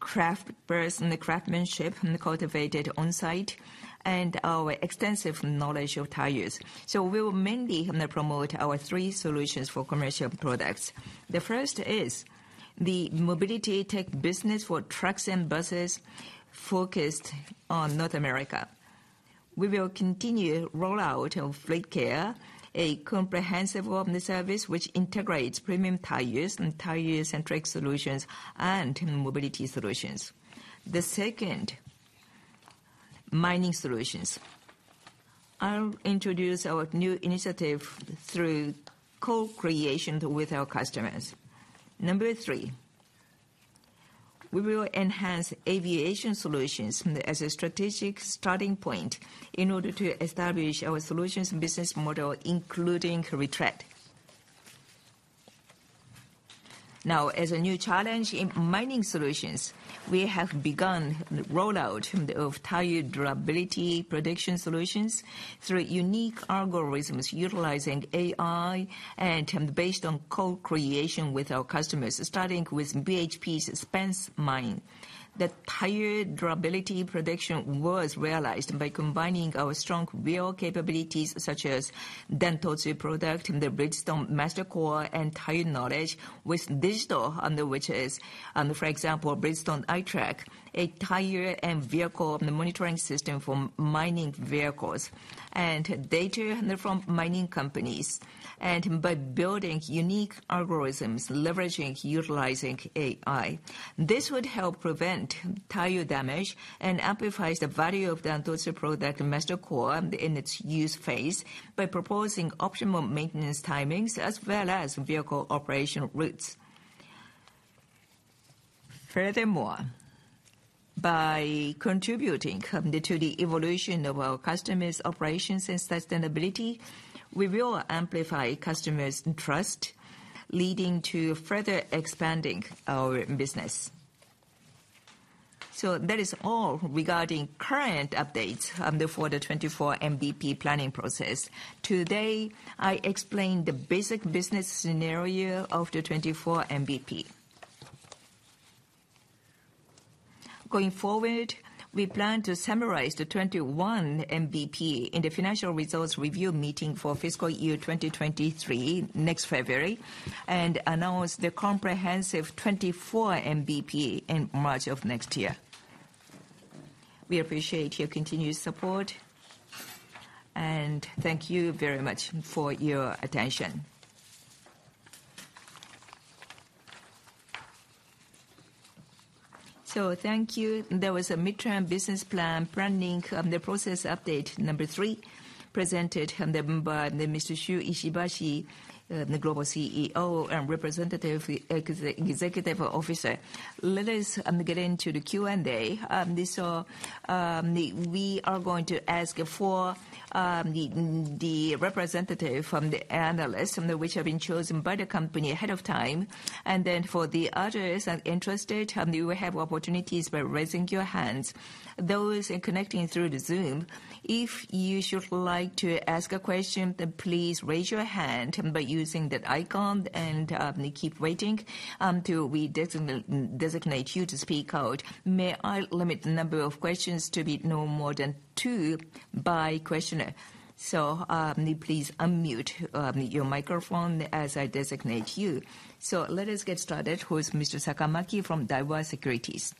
craftperson, the craftsmanship cultivated on-site, and our extensive knowledge of tires. So we will mainly promote our three solutions for commercial products. The first is the mobility tech business for trucks and buses focused on North America. We will continue rollout of Fleet Care, a comprehensive open service, which integrates premium tires and tire-centric solutions and mobility solutions. The second, mining solutions. I'll introduce our new initiative through co-creation with our customers. Number three, we will enhance aviation solutions as a strategic starting point in order to establish our solutions business model, including retread. Now, as a new challenge in mining solutions, we have begun the rollout of tire durability prediction solutions through unique algorithms utilizing AI and based on co-creation with our customers, starting with BHP's Spence mine. The tire durability prediction was realized by combining our strong wheel capabilities, such as Dantotsu product, and the Bridgestone MasterCore, and tire knowledge with digital, and which is, for example, Bridgestone iTrack.... a tire and vehicle monitoring system for mining vehicles, and data from mining companies. By building unique algorithms, leveraging, utilizing AI, this would help prevent tire damage and amplifies the value of Bridgestone product MasterCore in its use phase, by proposing optimal maintenance timings, as well as vehicle operation routes. Furthermore, by contributing to the evolution of our customers' operations and sustainability, we will amplify customers' trust, leading to further expanding our business. So that is all regarding current updates for the 2024 MBP planning process. Today, I explained the basic business scenario of the 2024 MBP. Going forward, we plan to summarize the 2021 MBP in the financial results review meeting for fiscal year 2023, next February, and announce the comprehensive 2024 MBP in March of next year. We appreciate your continued support, and thank you very much for your attention. So thank you. There was a midterm business plan planning, the process update number three, presented by Mr. Shu Ishibashi, the Global CEO and Representative Executive Officer. Let us get into the Q&A. So, we are going to ask four representatives from the analysts, and which have been chosen by the company ahead of time. And then for the others that are interested, you will have opportunities by raising your hands. Those connecting through the Zoom, if you should like to ask a question, then please raise your hand by using that icon, and keep waiting till we designate you to speak out. May I limit the number of questions to be no more than two by questioner? So, please unmute your microphone as I designate you. So let us get started with Mr. Sakamaki from Daiwa Securities.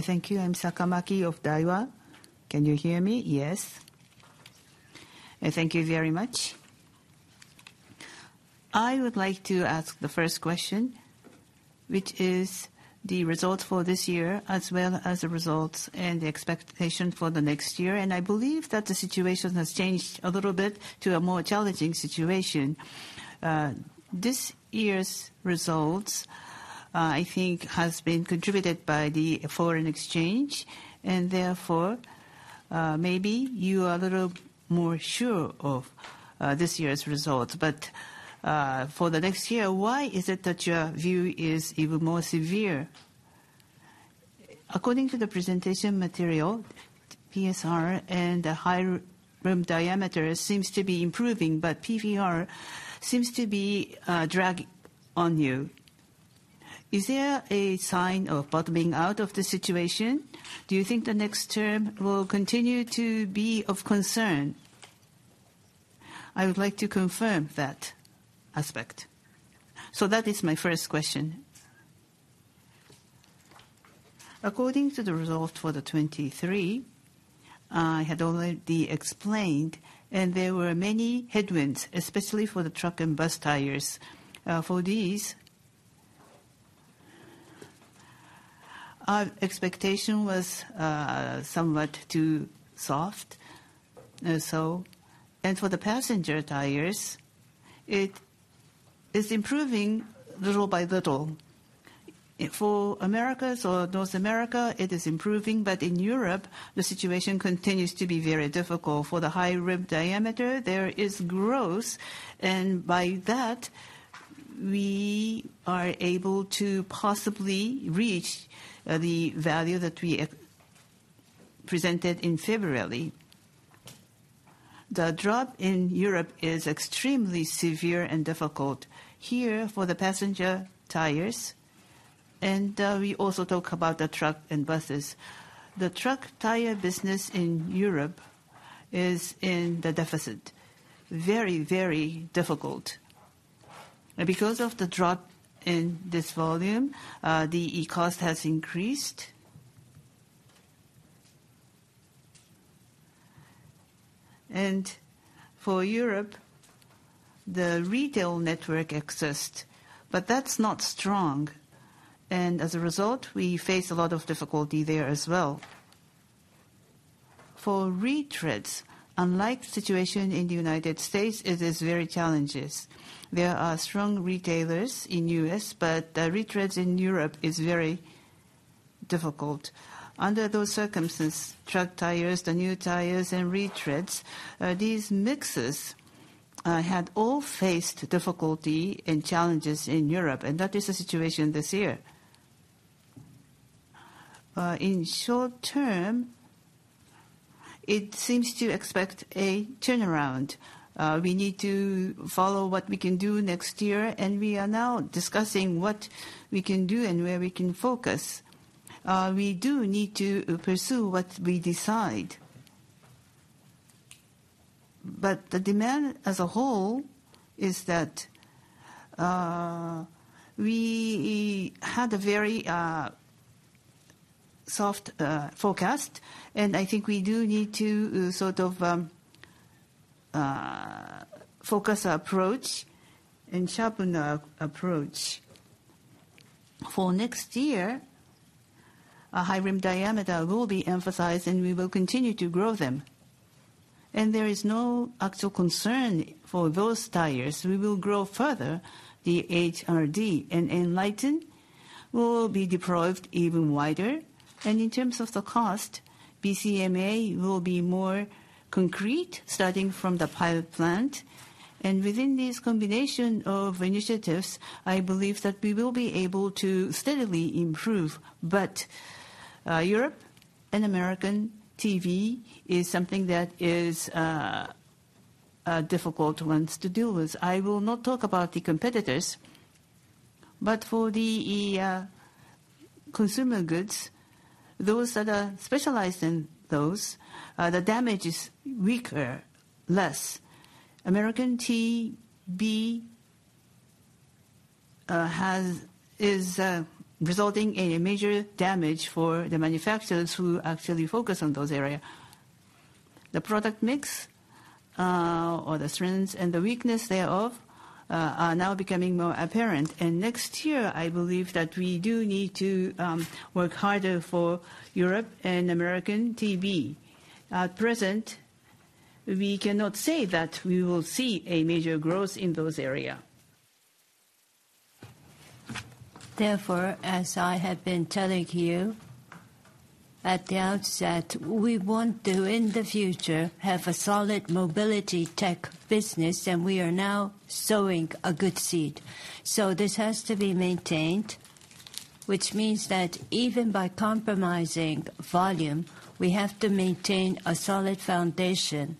Thank you. I'm Sakamaki of Daiwa. Can you hear me? Yes. Thank you very much. I would like to ask the first question, which is the results for this year, as well as the results and the expectation for the next year. And I believe that the situation has changed a little bit to a more challenging situation. This year's results, I think, has been contributed by the foreign exchange, and therefore, maybe you are a little more sure of this year's results. But, for the next year, why is it that your view is even more severe? According to the presentation material, PSR and the high rim diameter seems to be improving, but PVR seems to be dragging on you. Is there a sign of bottoming out of the situation? Do you think the next term will continue to be of concern? I would like to confirm that aspect. So that is my first question. According to the results for 2023, I had already explained, and there were many headwinds, especially for the truck and bus tires. For these, our expectation was somewhat too soft. And so for the passenger tires, it is improving little by little. For the Americas or North America, it is improving, but in Europe, the situation continues to be very difficult. For the high rim diameter, there is growth, and by that, we are able to possibly reach the value that we presented in February. The drop in Europe is extremely severe and difficult. Here, for the passenger tires, and we also talk about the truck and buses. The truck tire business in Europe is in the deficit. Very, very difficult. Because of the drop in this volume, the unit cost has increased. For Europe, the retail network exists, but that's not strong, and as a result, we face a lot of difficulty there as well. For retreads, unlike the situation in the United States, it is very challenging. There are strong retailers in the U.S., but the retreads in Europe is very difficult. Under those circumstances, truck tires, the new tires and retreads, these mixes, had all faced difficulty and challenges in Europe, and that is the situation this year. In short term, it seems to expect a turnaround. We need to follow what we can do next year, and we are now discussing what we can do and where we can focus. We do need to pursue what we decide.... but the demand as a whole is that, we had a very soft forecast, and I think we do need to sort of focus our approach and sharpen our approach. For next year, a high rim diameter will be emphasized, and we will continue to grow them, and there is no actual concern for those tires. We will grow further the HRD, and ENLITEN will be deployed even wider. And in terms of the cost, BCMA will be more concrete, starting from the pilot plant. And within this combination of initiatives, I believe that we will be able to steadily improve. But, Europe and Americas TBR is something that is difficult ones to deal with. I will not talk about the competitors, but for the consumer goods, those that are specialized in those, the damage is weaker, less. American TBR is resulting in a major damage for the manufacturers who actually focus on those areas. The product mix, or the strengths and the weakness thereof, are now becoming more apparent. Next year, I believe that we do need to work harder for Europe and American TBR. At present, we cannot say that we will see a major growth in those areas. Therefore, as I have been telling you at the outset, we want to, in the future, have a solid mobility tech business, and we are now sowing a good seed. So this has to be maintained, which means that even by compromising volume, we have to maintain a solid foundation.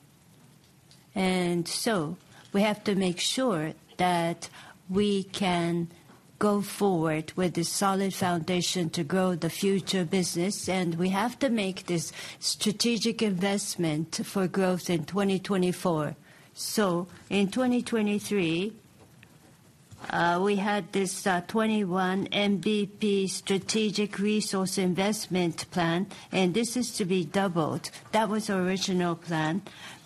And so we have to make sure that we can go forward with a solid foundation to grow the future business, and we have to make this strategic investment for growth in 2024. So in 2023, we had this 2021 MBP strategic resource investment plan, and this is to be doubled. That was original plan,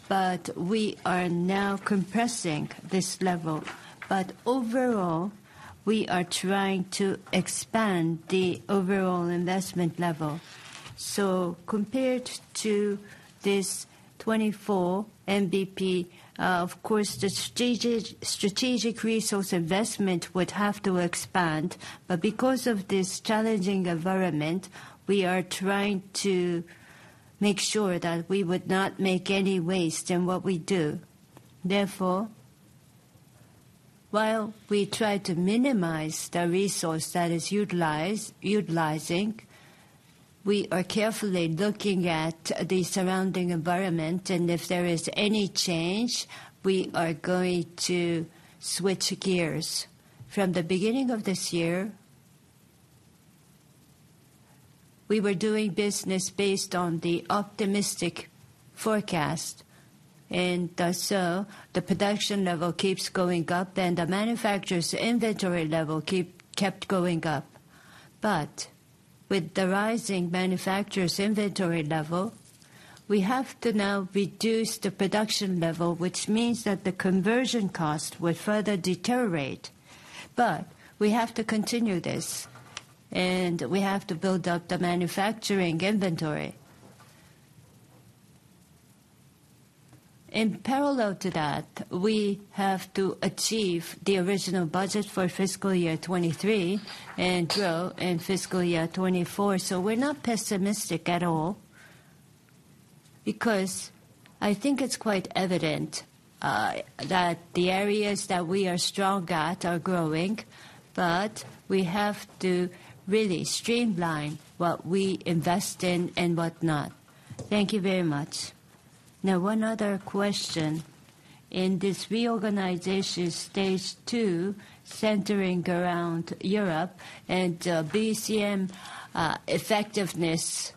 but we are now compressing this level. But overall, we are trying to expand the overall investment level. So compared to this 2024 MBP, of course, the strategic resource investment would have to expand. Because of this challenging environment, we are trying to make sure that we would not make any waste in what we do. Therefore, while we try to minimize the resource that is utilized, we are carefully looking at the surrounding environment, and if there is any change, we are going to switch gears. From the beginning of this year, we were doing business based on the optimistic forecast, and thus, so the production level keeps going up and the manufacturer's inventory level kept going up. With the rising manufacturer's inventory level, we have to now reduce the production level, which means that the conversion cost will further deteriorate. We have to continue this, and we have to build up the manufacturing inventory. In parallel to that, we have to achieve the original budget for fiscal year 2023 and grow in fiscal year 2024. So we're not pessimistic at all, because I think it's quite evident that the areas that we are strong at are growing, but we have to really streamline what we invest in and what not. Thank you very much. Now, one other question. In this reorganization stage two, centering around Europe and BCMA effectiveness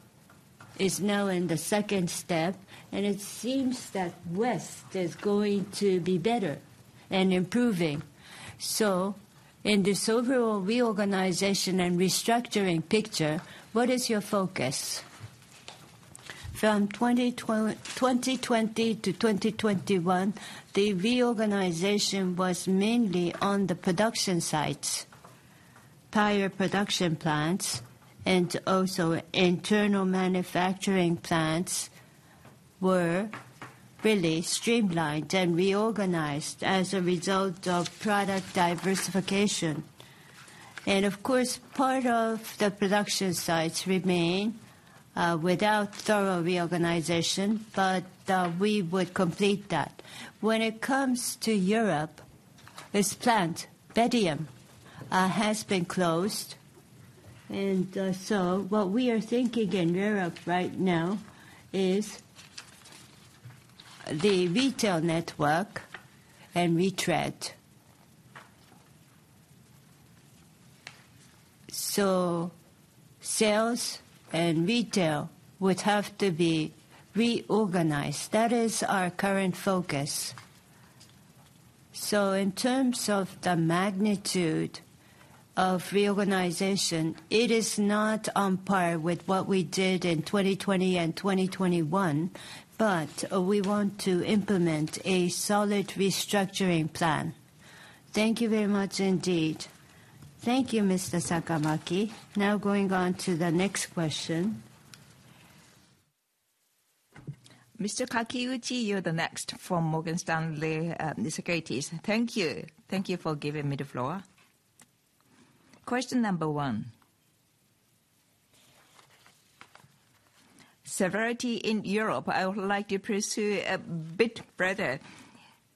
is now in the second step, and it seems that West is going to be better and improving. So in this overall reorganization and restructuring picture, what is your focus? From 2020 to 2021, the reorganization was mainly on the production sites. Tire production plants and also internal manufacturing plants were really streamlined and reorganized as a result of product diversification. And of course, part of the production sites remain without thorough reorganization, but we would complete that. When it comes to Europe, this plant, Bethune, has been closed, and so what we are thinking in Europe right now is the retail network and retread. So sales and retail would have to be reorganized. That is our current focus. So in terms of the magnitude of reorganization, it is not on par with what we did in 2020 and 2021, but we want to implement a solid restructuring plan. Thank you very much indeed. Thank you, Mr. Sakamaki. Now going on to the next question. Mr. Kakiuchi, you're the next from Morgan Stanley Securities. Thank you. Thank you for giving me the floor. Question number one. Severity in Europe, I would like to pursue a bit further.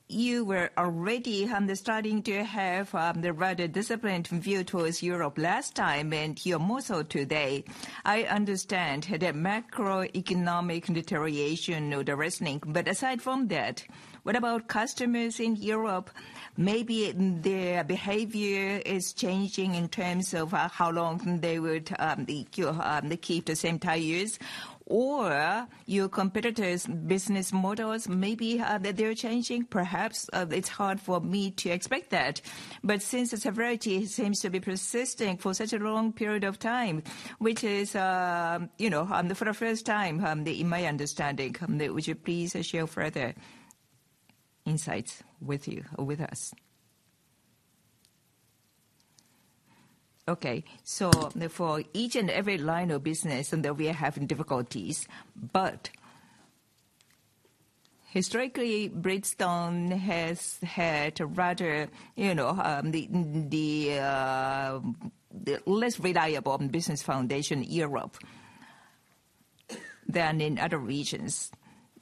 You were already understanding to have the rather disciplined view towards Europe last time, and you are more so today. I understand the macroeconomic deterioration or the reasoning, but aside from that, what about customers in Europe? Maybe their behavior is changing in terms of how long they would be sure they keep the same tires, or your competitors' business models, maybe that they're changing. Perhaps it's hard for me to expect that, but since the severity seems to be persisting for such a long period of time, which is, you know, for the first time, in my understanding, would you please share further insights with you, with us? Okay. So for each and every line of business, and that we are having difficulties, but historically, Bridgestone has had a rather, you know, the less reliable business foundation in Europe than in other regions.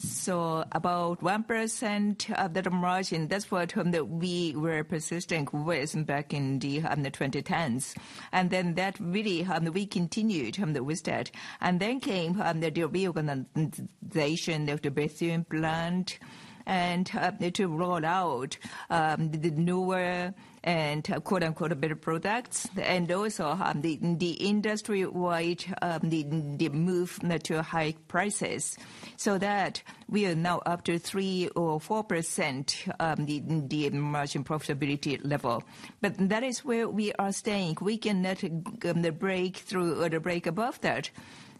So about 1% of the margin, that's what, that we were persisting with back in the 2010s. And then that really, we continued with that. Then came the reorganization of the Brazilian plant and to roll out the newer and quote, unquote, "better products," and also the industry-wide move now to high prices. So that we are now up to 3%-4% the margin profitability level. But that is where we are staying. We cannot break through or break above that.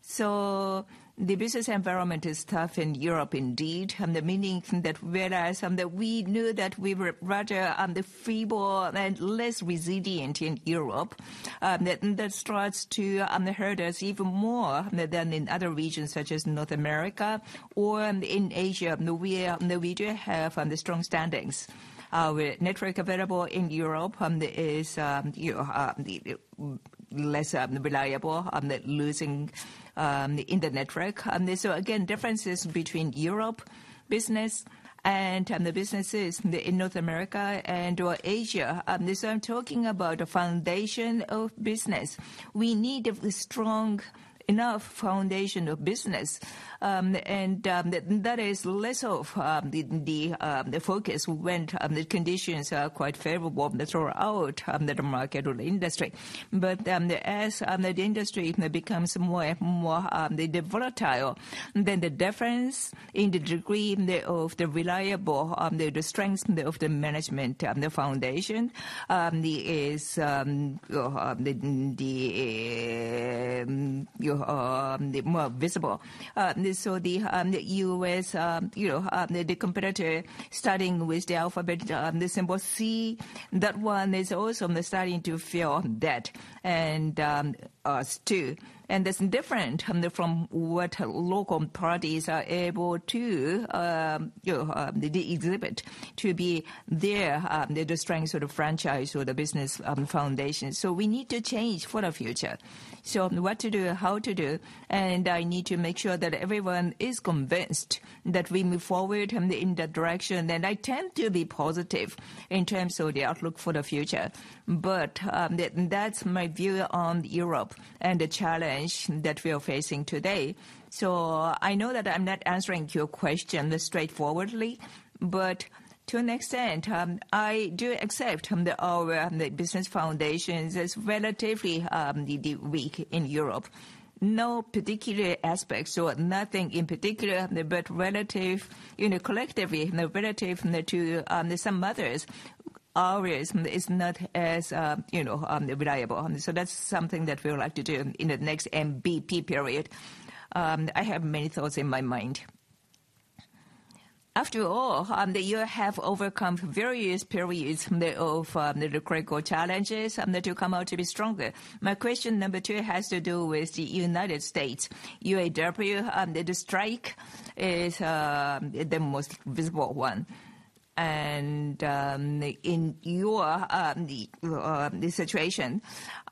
So the business environment is tough in Europe indeed, meaning that whereas we knew that we were rather feeble and less resilient in Europe, that starts to hurt us even more than in other regions such as North America or in Asia, where we do have the strong standings. Our network available in Europe is, you know, less reliable than those in the network. And so again, differences between Europe business and the businesses in North America and or Asia. This I'm talking about the foundation of business. We need a strong enough foundation of business. And that is less of the focus when the conditions are quite favorable throughout the market or the industry. But as the industry now becomes more and more volatile, then the difference in the degree of the reliable, the strength of the management, the foundation is, you know, more visible. So the, the U.S., you know, the competitor, starting with the alphabet, the symbol C, that one is also starting to feel that, and, us too. And that's different, from what local parties are able to, you know, they exhibit to be there, the, the strength of the franchise or the business, foundation. So we need to change for the future. So what to do, how to do, and I need to make sure that everyone is convinced that we move forward, in that direction. And I tend to be positive in terms of the outlook for the future. But, that, that's my view on Europe and the challenge that we are facing today. So I know that I'm not answering your question straightforwardly, but to an extent, I do accept that our business foundation is relatively weak in Europe. No particular aspects or nothing in particular, but relative, you know, collectively, relative to some others, ours is not as, you know, reliable. So that's something that we would like to do in the next MBP period. I have many thoughts in my mind. After all, you have overcome various periods of the critical challenges that you come out to be stronger. My question number two has to do with the United States. UAW, the strike is the most visible one. In your situation,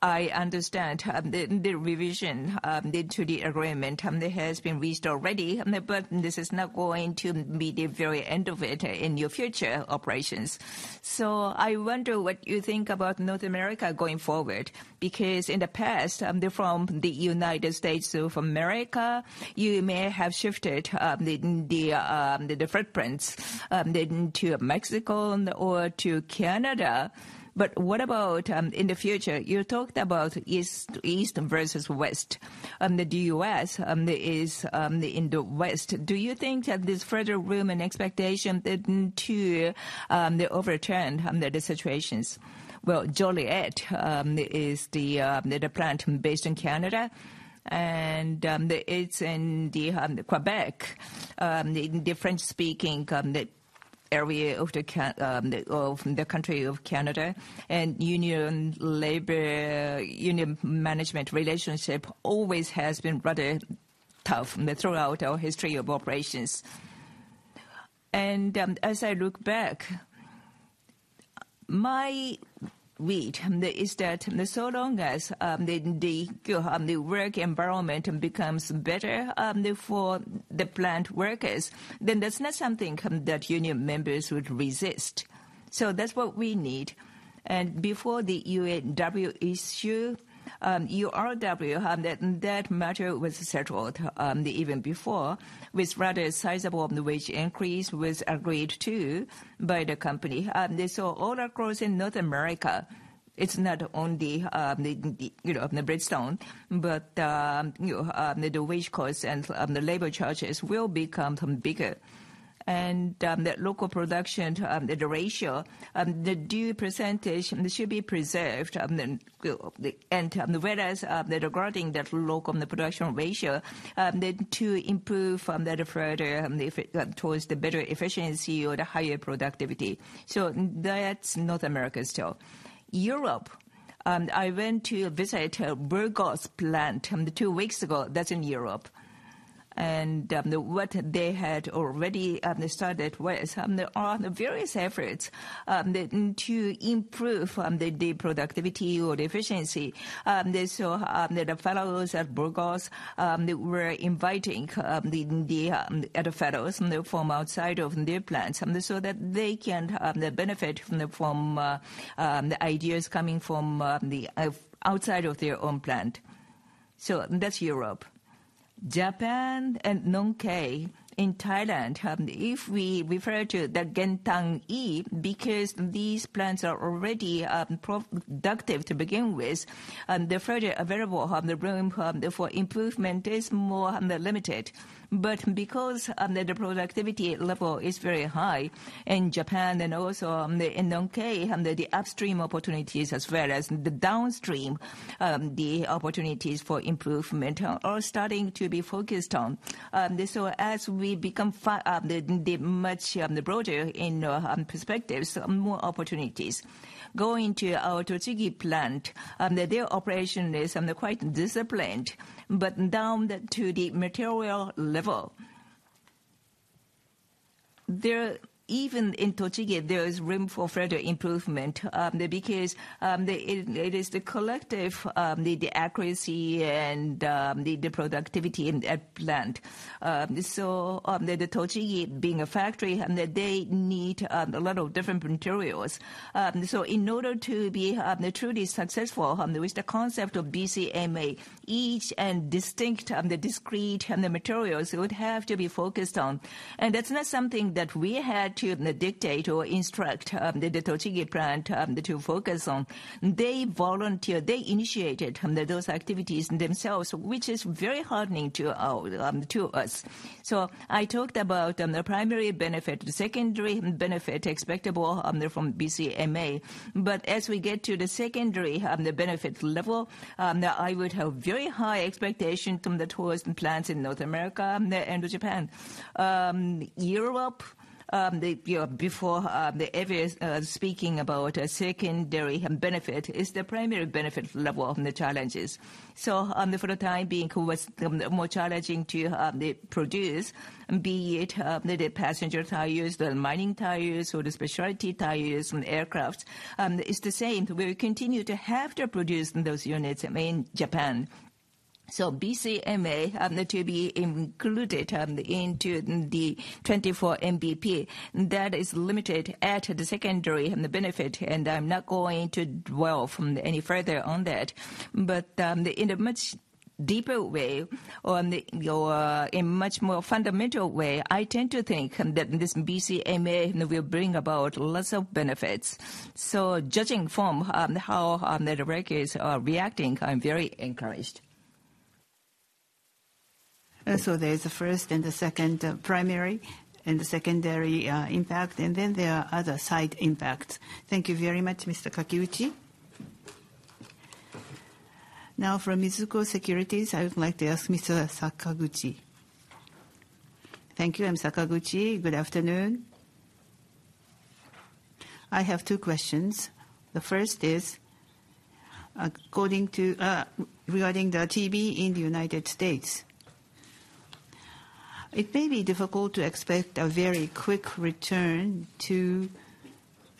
I understand the revision into the agreement that has been reached already, but this is not going to be the very end of it in your future operations. So I wonder what you think about North America going forward, because in the past, from the United States of America, you may have shifted the different plants then to Mexico and or to Canada. But what about in the future? You talked about East versus West, and the U.S. is in the West. Do you think that there's further room and expectation then to overturn the situations? Well, Joliette is the plant based in Canada, and it's in the Quebec, the French-speaking... area of the country of Canada, and union labor union management relationship always has been rather tough throughout our history of operations. As I look back, my read is that so long as the work environment becomes better for the plant workers, then that's not something that union members would resist. So that's what we need. And before the UAW issue, USW, that matter was settled even before, with rather sizable wage increase was agreed to by the company. And so all across in North America, it's not only you know of the Bridgestone, but you know the wage costs and the labor charges will become bigger. The local production, the ratio, the local percentage should be preserved, then the... Whereas, regarding the local and the production ratio, need to improve from that further, if towards the better efficiency or the higher productivity. So that's North America still. Europe, I went to visit Burgos plant two weeks ago. That's in Europe. And, what they had already started with, there are various efforts then to improve the productivity or the efficiency. They saw that the fellows at Burgos they were inviting the other fellows from outside of their plants so that they can benefit from the ideas coming from the outside of their own plant. So that's Europe. Japan and Nong Khae in Thailand, if we refer to the Gentani, because these plants are already productive to begin with, the further available the room for improvement is more limited. But because the productivity level is very high in Japan and also in Nong Khae, the upstream opportunities as well as the downstream opportunities for improvement are starting to be focused on. And so as we become the much broader in perspectives, more opportunities. Going to our Tochigi plant, their operation is quite disciplined, but down to the material level. There, even in Tochigi, there is room for further improvement, because it is the collective the accuracy and the productivity in that plant. So, the Tochigi being a factory, they need a lot of different materials. So in order to be truly successful with the concept of BCMA, each and distinct, the discrete and the materials would have to be focused on. And that's not something that we had to dictate or instruct the Tochigi plant to focus on. They volunteered, they initiated those activities themselves, which is very heartening to us. So I talked about the primary benefit, the secondary benefit expectable from BCMA. But as we get to the secondary, the benefits level, now I would have very high expectation from the towards plants in North America and Japan. Europe, the, you know, before, the areas, speaking about a secondary benefit is the primary benefit level of the challenges. So, for the time being, who was, more challenging to, produce, be it, the, the passenger tires, the mining tires, or the specialty tires, and aircraft, it's the same. We continue to have to produce those units in Japan. So BCMA, to be included, into the 2024 MBP, that is limited at the secondary and the benefit, and I'm not going to dwell any further on that. But, in a much deeper way, or in the, in much more fundamental way, I tend to think, that this BCMA will bring about lots of benefits. So judging from, how, the markets are reacting, I'm very encouraged. And so there's the first and the second, primary and the secondary, impact, and then there are other side impacts. Thank you very much, Mr. Kakiuchi. Now for Mizuho Securities, I would like to ask Mr. Sakaguchi. Thank you. I'm Sakaguchi. Good afternoon. I have two questions. The first is, according to, regarding the TB in the United States, it may be difficult to expect a very quick return to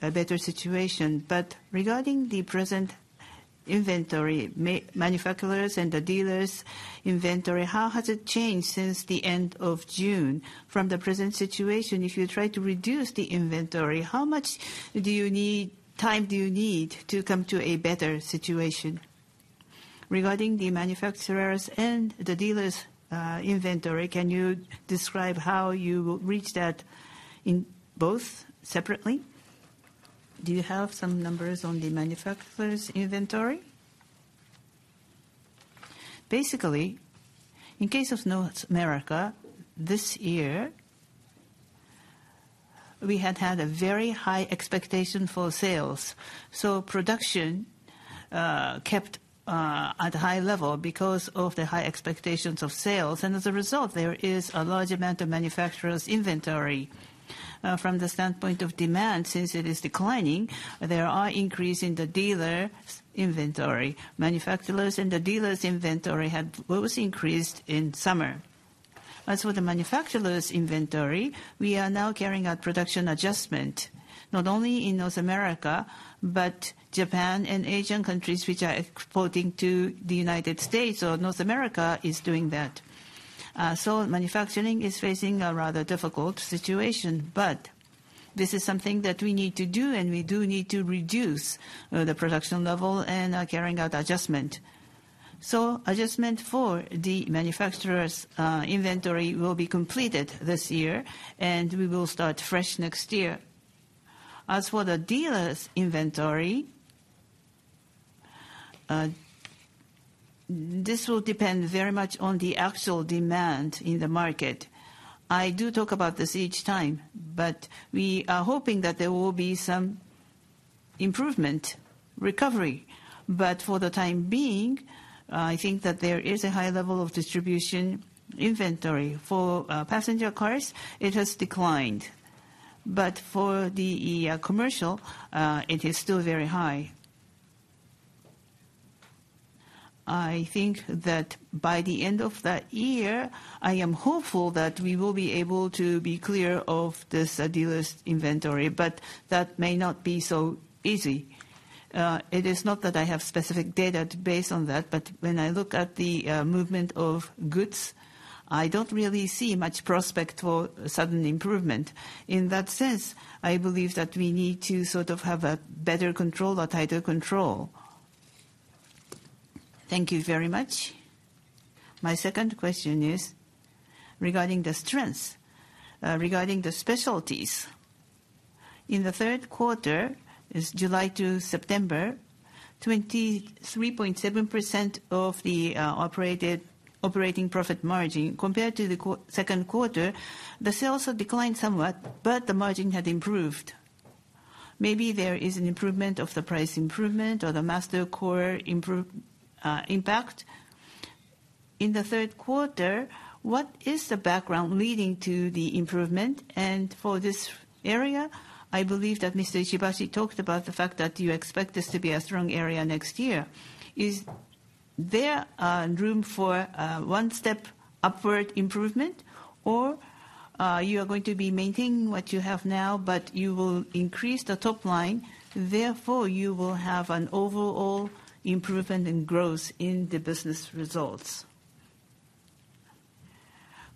a better situation. But regarding the present inventory, manufacturers and the dealers' inventory, how has it changed since the end of June? From the present situation, if you try to reduce the inventory, how much do you need, time do you need to come to a better situation? Regarding the manufacturers and the dealers', inventory, can you describe how you will reach that in both separately? Do you have some numbers on the manufacturer's inventory? Basically, in case of North America, this year, we had had a very high expectation for sales. So production-... kept at a high level because of the high expectations of sales, and as a result, there is a large amount of manufacturers' inventory. From the standpoint of demand, since it is declining, there are increase in the dealers' inventory. Manufacturers' and the dealers' inventory had both increased in summer. As for the manufacturers' inventory, we are now carrying out production adjustment, not only in North America, but Japan and Asian countries which are exporting to the United States or North America is doing that. So manufacturing is facing a rather difficult situation, but this is something that we need to do, and we do need to reduce the production level and are carrying out adjustment. So adjustment for the manufacturers' inventory will be completed this year, and we will start fresh next year. As for the dealers' inventory, this will depend very much on the actual demand in the market. I do talk about this each time, but we are hoping that there will be some improvement, recovery. But for the time being, I think that there is a high level of distribution inventory. For passenger cars, it has declined, but for the commercial, it is still very high. I think that by the end of the year, I am hopeful that we will be able to be clear of this dealers' inventory, but that may not be so easy. It is not that I have specific data to base on that, but when I look at the movement of goods, I don't really see much prospect for sudden improvement. In that sense, I believe that we need to sort of have a better control or tighter control. Thank you very much. My second question is regarding the strengths, regarding the specialties. In the third quarter, is July to September, 23.7% of the operating profit margin. Compared to the second quarter, the sales have declined somewhat, but the margin had improved. Maybe there is an improvement of the price improvement or the MasterCore impact. In the third quarter, what is the background leading to the improvement? And for this area, I believe that Mr. Ishibashi talked about the fact that you expect this to be a strong area next year. Is there room for one step upward improvement, or you are going to be maintaining what you have now, but you will increase the top line, therefore, you will have an overall improvement and growth in the business results?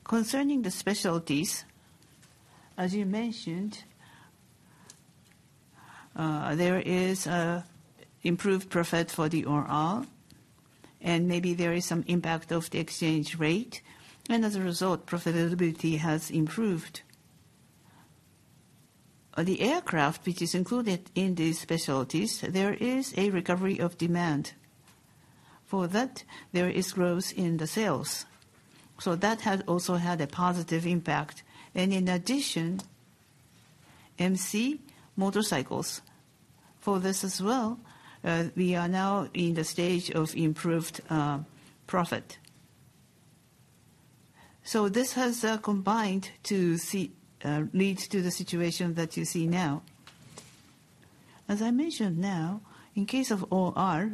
Concerning the specialties, as you mentioned, there is a improved profit for the OR, and maybe there is some impact of the exchange rate, and as a result, profitability has improved. The aircraft, which is included in these specialties, there is a recovery of demand. For that, there is growth in the sales, so that has also had a positive impact. And in addition, MC motorcycles. For this as well, we are now in the stage of improved profit. So this has combined to see leads to the situation that you see now. As I mentioned now, in case of OR,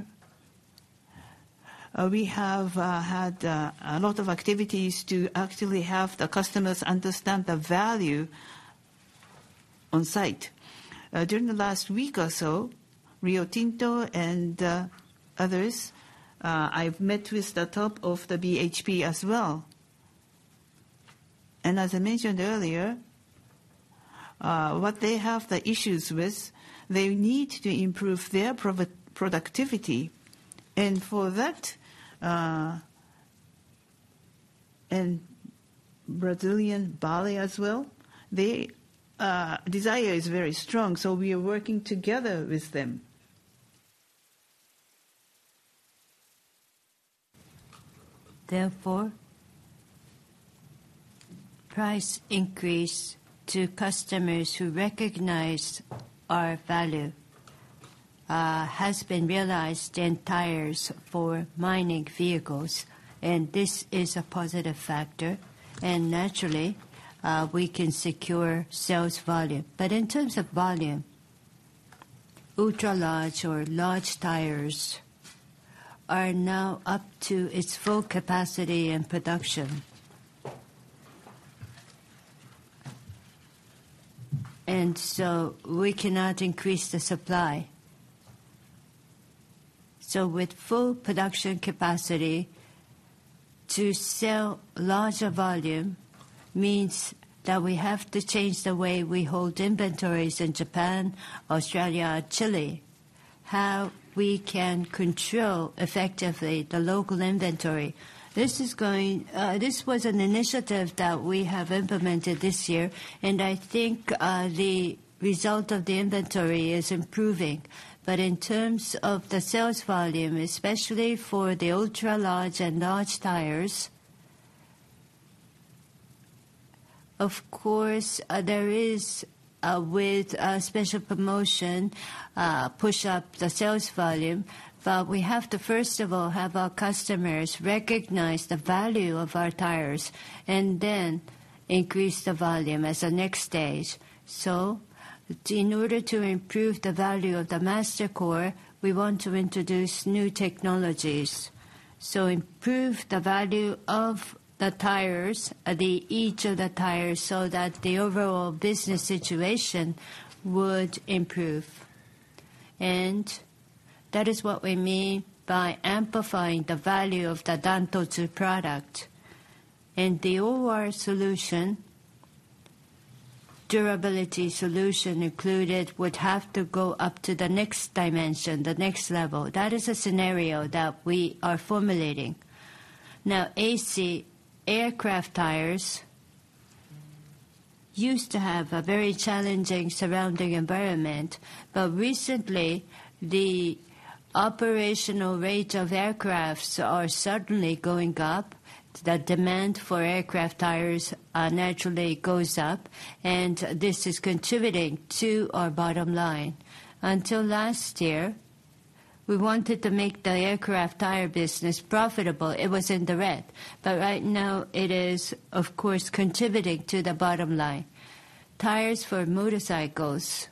we have had a lot of activities to actually help the customers understand the value on site. During the last week or so, Rio Tinto and others, I've met with the top of the BHP as well. And as I mentioned earlier, what they have the issues with, they need to improve their productivity. And for that, and Brazilian Vale as well, the desire is very strong, so we are working together with them. Therefore, price increase to customers who recognize our value has been realized in tires for mining vehicles, and this is a positive factor. And naturally, we can secure sales volume. But in terms of volume, ultra large or large tires are now up to its full capacity and production. And so we cannot increase the supply. So with full production capacity, to sell larger volume means that we have to change the way we hold inventories in Japan, Australia, Chile, how we can control effectively the local inventory. This was an initiative that we have implemented this year, and I think, the result of the inventory is improving. But in terms of the sales volume, especially for the ultra large and large tires- ...Of course, there is, with a special promotion, push up the sales volume. But we have to first of all, have our customers recognize the value of our tires, and then increase the volume as the next stage. So in order to improve the value of the MasterCore, we want to introduce new technologies. So improve the value of the tires, the each of the tires, so that the overall business situation would improve. And that is what we mean by amplifying the value of the Dantotsu product. And the OR solution, durability solution included, would have to go up to the next dimension, the next level. That is a scenario that we are formulating. Now, AC, aircraft tires, used to have a very challenging surrounding environment. But recently, the operational rate of aircrafts are certainly going up. The demand for aircraft tires naturally goes up, and this is contributing to our bottom line. Until last year, we wanted to make the aircraft tire business profitable. It was in the red, but right now it is, of course, contributing to the bottom line. Tires for motorcycles,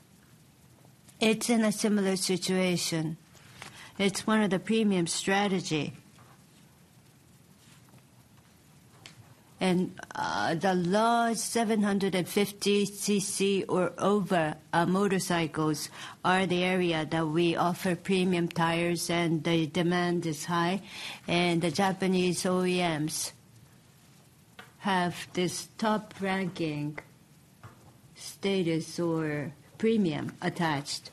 it's in a similar situation. It's one of the premium strategy. And the large 750 cc or over motorcycles are the area that we offer premium tires, and the demand is high. And the Japanese OEMs have this top ranking status or premium attached.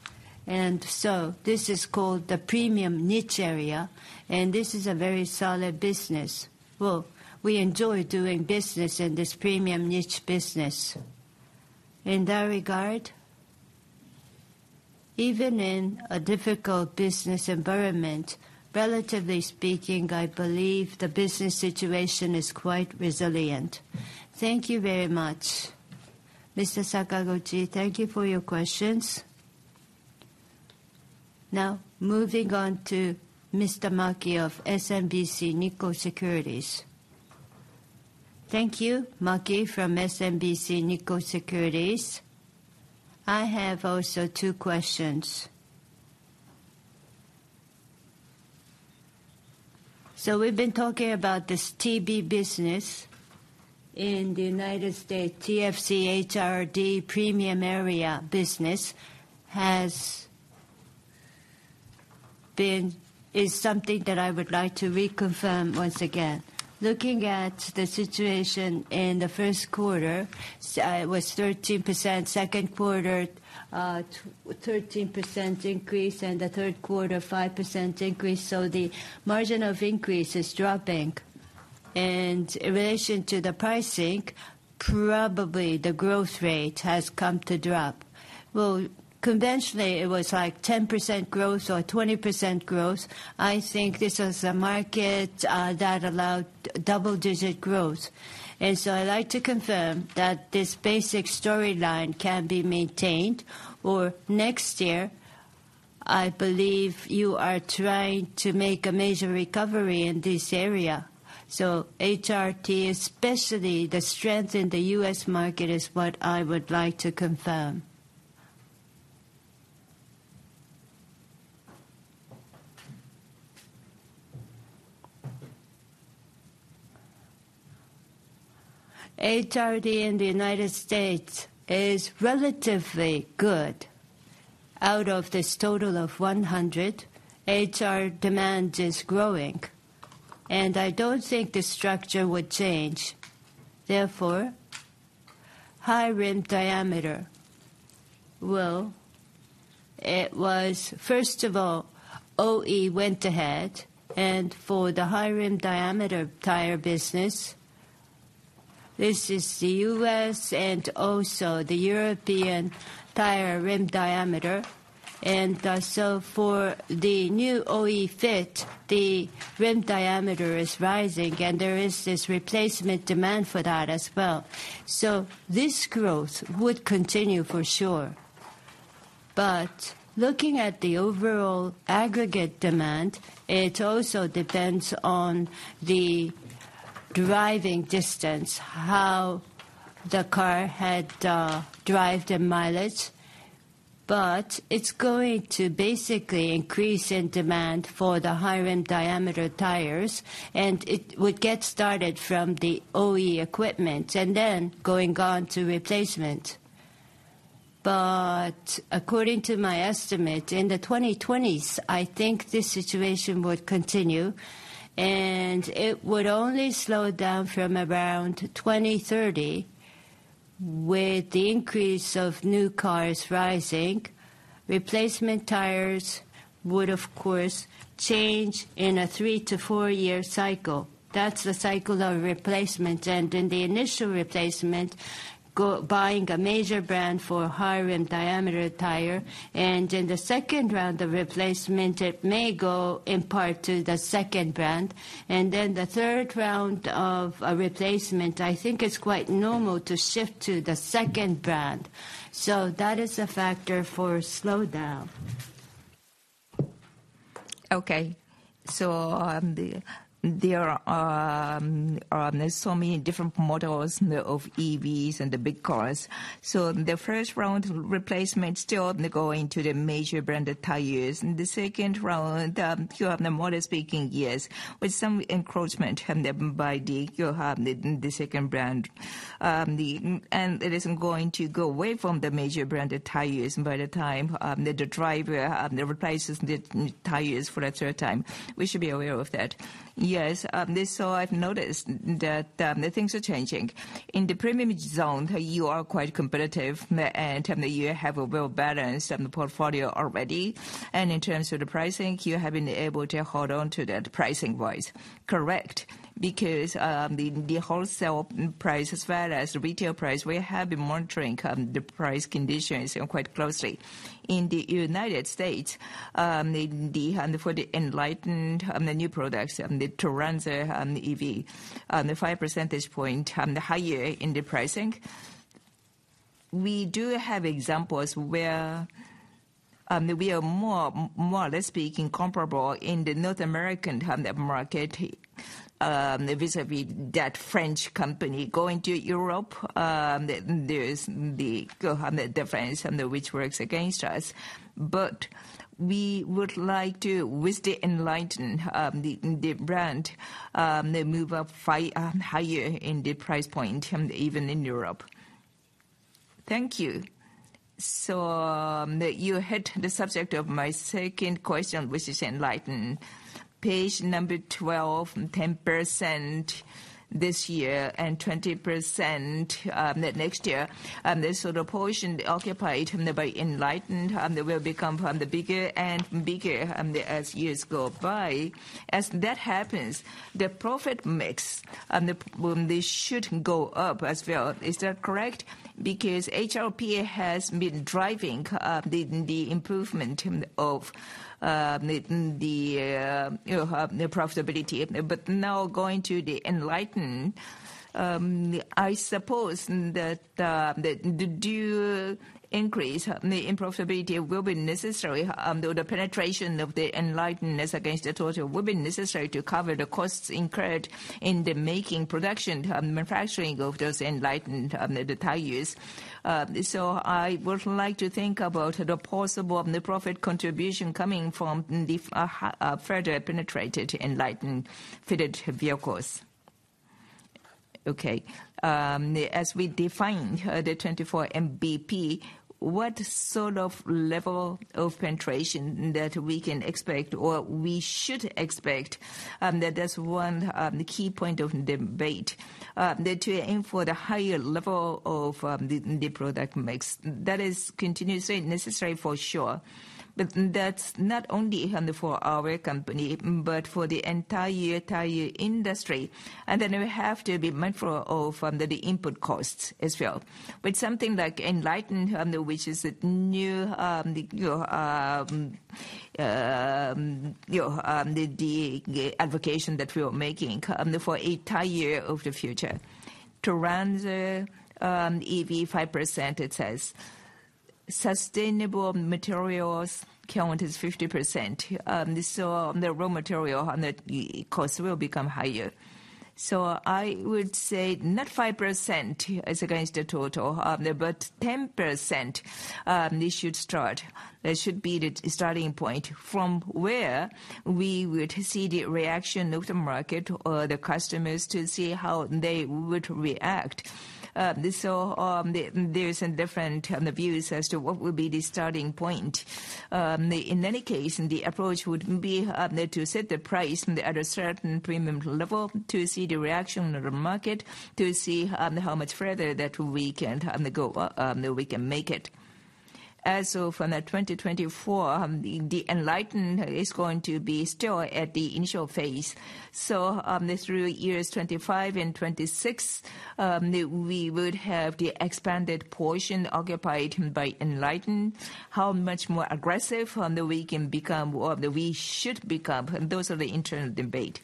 And so this is called the premium niche area, and this is a very solid business. Well, we enjoy doing business in this premium niche business. In that regard, even in a difficult business environment, relatively speaking, I believe the business situation is quite resilient. Thank you very much. Mr. Sakaguchi, thank you for your questions. Now, moving on to Mr. Maki of SMBC Nikko Securities. Thank you, Maki from SMBC Nikko Securities. I have also two questions. So we've been talking about this TB business in the United States. TBC, HRD, premium area business has been... Is something that I would like to reconfirm once again. Looking at the situation in the first quarter, it was 13%, second quarter, 13% increase, and the third quarter, 5% increase, so the margin of increase is dropping. And in relation to the pricing, probably the growth rate has come to drop. Well, conventionally, it was like 10% growth or 20% growth. I think this is a market that allowed double-digit growth. And so I'd like to confirm that this basic storyline can be maintained, or next year, I believe you are trying to make a major recovery in this area. So HRD, especially the strength in the U.S. market, is what I would like to confirm. HRD in the United States is relatively good. Out of this total of 100, HR demand is growing, and I don't think the structure would change. Therefore, high rim diameter. Well, it was first of all, OE went ahead, and for the high rim diameter tire business, this is the U.S. and also the European tire rim diameter. And, so for the new OE fit, the rim diameter is rising, and there is this replacement demand for that as well. So this growth would continue for sure. But looking at the overall aggregate demand, it also depends on the driving distance, how the car had drive the mileage. But it's going to basically increase in demand for the high rim diameter tires, and it would get started from the OE equipment, and then going on to replacement. But according to my estimate, in the 2020s, I think this situation would continue, and it would only slow down from around 2030. With the increase of new cars rising, replacement tires would, of course, change in a three-four-year cycle. That's the cycle of replacement. And in the initial replacement, buying a major brand for high rim diameter tire, and in the second round of replacement, it may go in part to the second brand. And then the third round of replacement, I think it's quite normal to shift to the second brand. That is a factor for slowdown.... Okay. So, there are so many different models of EVs and the big cars. So the first round replacement still going to the major branded tires. In the second round, you have the more speaking years with some encroachment from them by the second brand. And it isn't going to go away from the major branded tires by the time that the driver replaces the tires for a third time. We should be aware of that. Yes, so I've noticed that the things are changing. In the premium zone, you are quite competitive, and you have a well balanced portfolio already. And in terms of the pricing, you have been able to hold on to that pricing wise. Correct. Because, the wholesale price as well as the retail price, we have been monitoring the price conditions quite closely. In the United States, for the ENLITEN, the new products, the Turanza and the EV, five percentage point higher in the pricing. We do have examples where we are more or less speaking comparable in the North American market vis-à-vis that French company going to Europe. There's the difference which works against us. But we would like to, with the ENLITEN, the brand, then move up higher in the price point even in Europe. Thank you. So, you hit the subject of my second question, which is ENLITEN. Page number 12, 10% this year and 20% next year. This sort of portion occupied by ENLITEN will become bigger and bigger as years go by. As that happens, the profit mix this should go up as well. Is that correct? Because HRD has been driving the improvement in profitability. But now going to the ENLITEN, I suppose that the due increase in profitability will be necessary, though the penetration of the ENLITEN against the total would be necessary to cover the costs incurred in the making, production, manufacturing of those ENLITEN the tires. So I would like to think about the possible the profit contribution coming from the further penetrated ENLITEN-fitted vehicles. Okay. As we define the 2024 MBP, what sort of level of penetration that we can expect or we should expect? That is one key point of debate. That to aim for the higher level of the product mix, that is continuously necessary for sure. But that's not only only for our company, but for the entire tire industry. And then we have to be mindful of the input costs as well. But something like ENLITEN, which is a new, you know, the advocation that we are making for a tire of the future. Turanza EV 5% it says. Sustainable materials count is 50%. So the raw material and the cost will become higher. So I would say not 5% as against the total, but 10%, this should start. That should be the starting point from where we would see the reaction of the market or the customers to see how they would react. So, there's some different views as to what would be the starting point. In any case, the approach would be to set the price at a certain premium level to see the reaction of the market, to see how much further that we can go, that we can make it. As of from the 2024, the ENLITEN is going to be still at the initial phase. So, through years 2025 and 2026, we would have the expanded portion occupied by ENLITEN. How much more aggressive we can become or that we should become, those are the internal debate.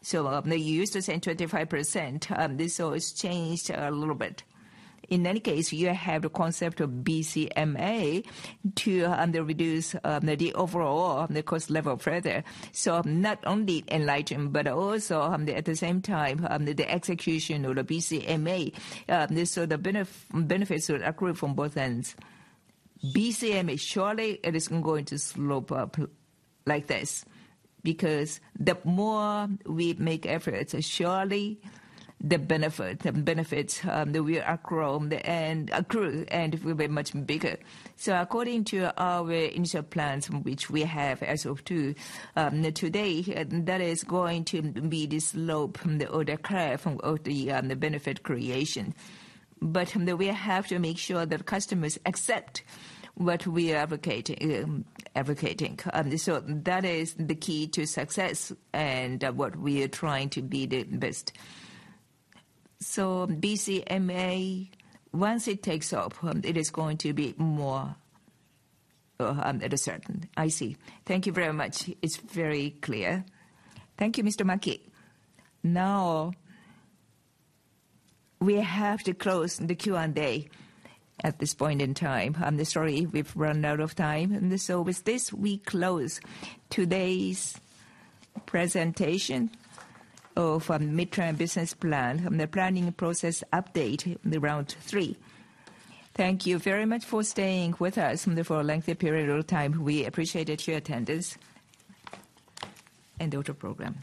So, they used to say 25%, this always changed a little bit. In any case, you have the concept of BCMA to reduce the overall the cost level further. So not only ENLITEN, but also at the same time the execution of the BCMA. So the benefits are accrued from both ends. BCMA, surely it is going to slope up like this, because the more we make efforts, surely the benefit, the benefits that will accrue in the end, accrue and will be much bigger. So according to our initial plans, which we have as of to today, that is going to be the slope or the curve of the the benefit creation. But we have to make sure that customers accept what we are advocating, advocating. So that is the key to success and, what we are trying to be the best. So BCMA, once it takes off, it is going to be more, at a certain. I see. Thank you very much. It's very clear. Thank you, Mr. Maki. Now, we have to close the Q&A day at this point in time. I'm sorry, we've run out of time. And so with this, we close today's presentation of, mid-term business plan, the planning process update, the round three. Thank you very much for staying with us, for a lengthy period of time. We appreciated your attendance in the auto program.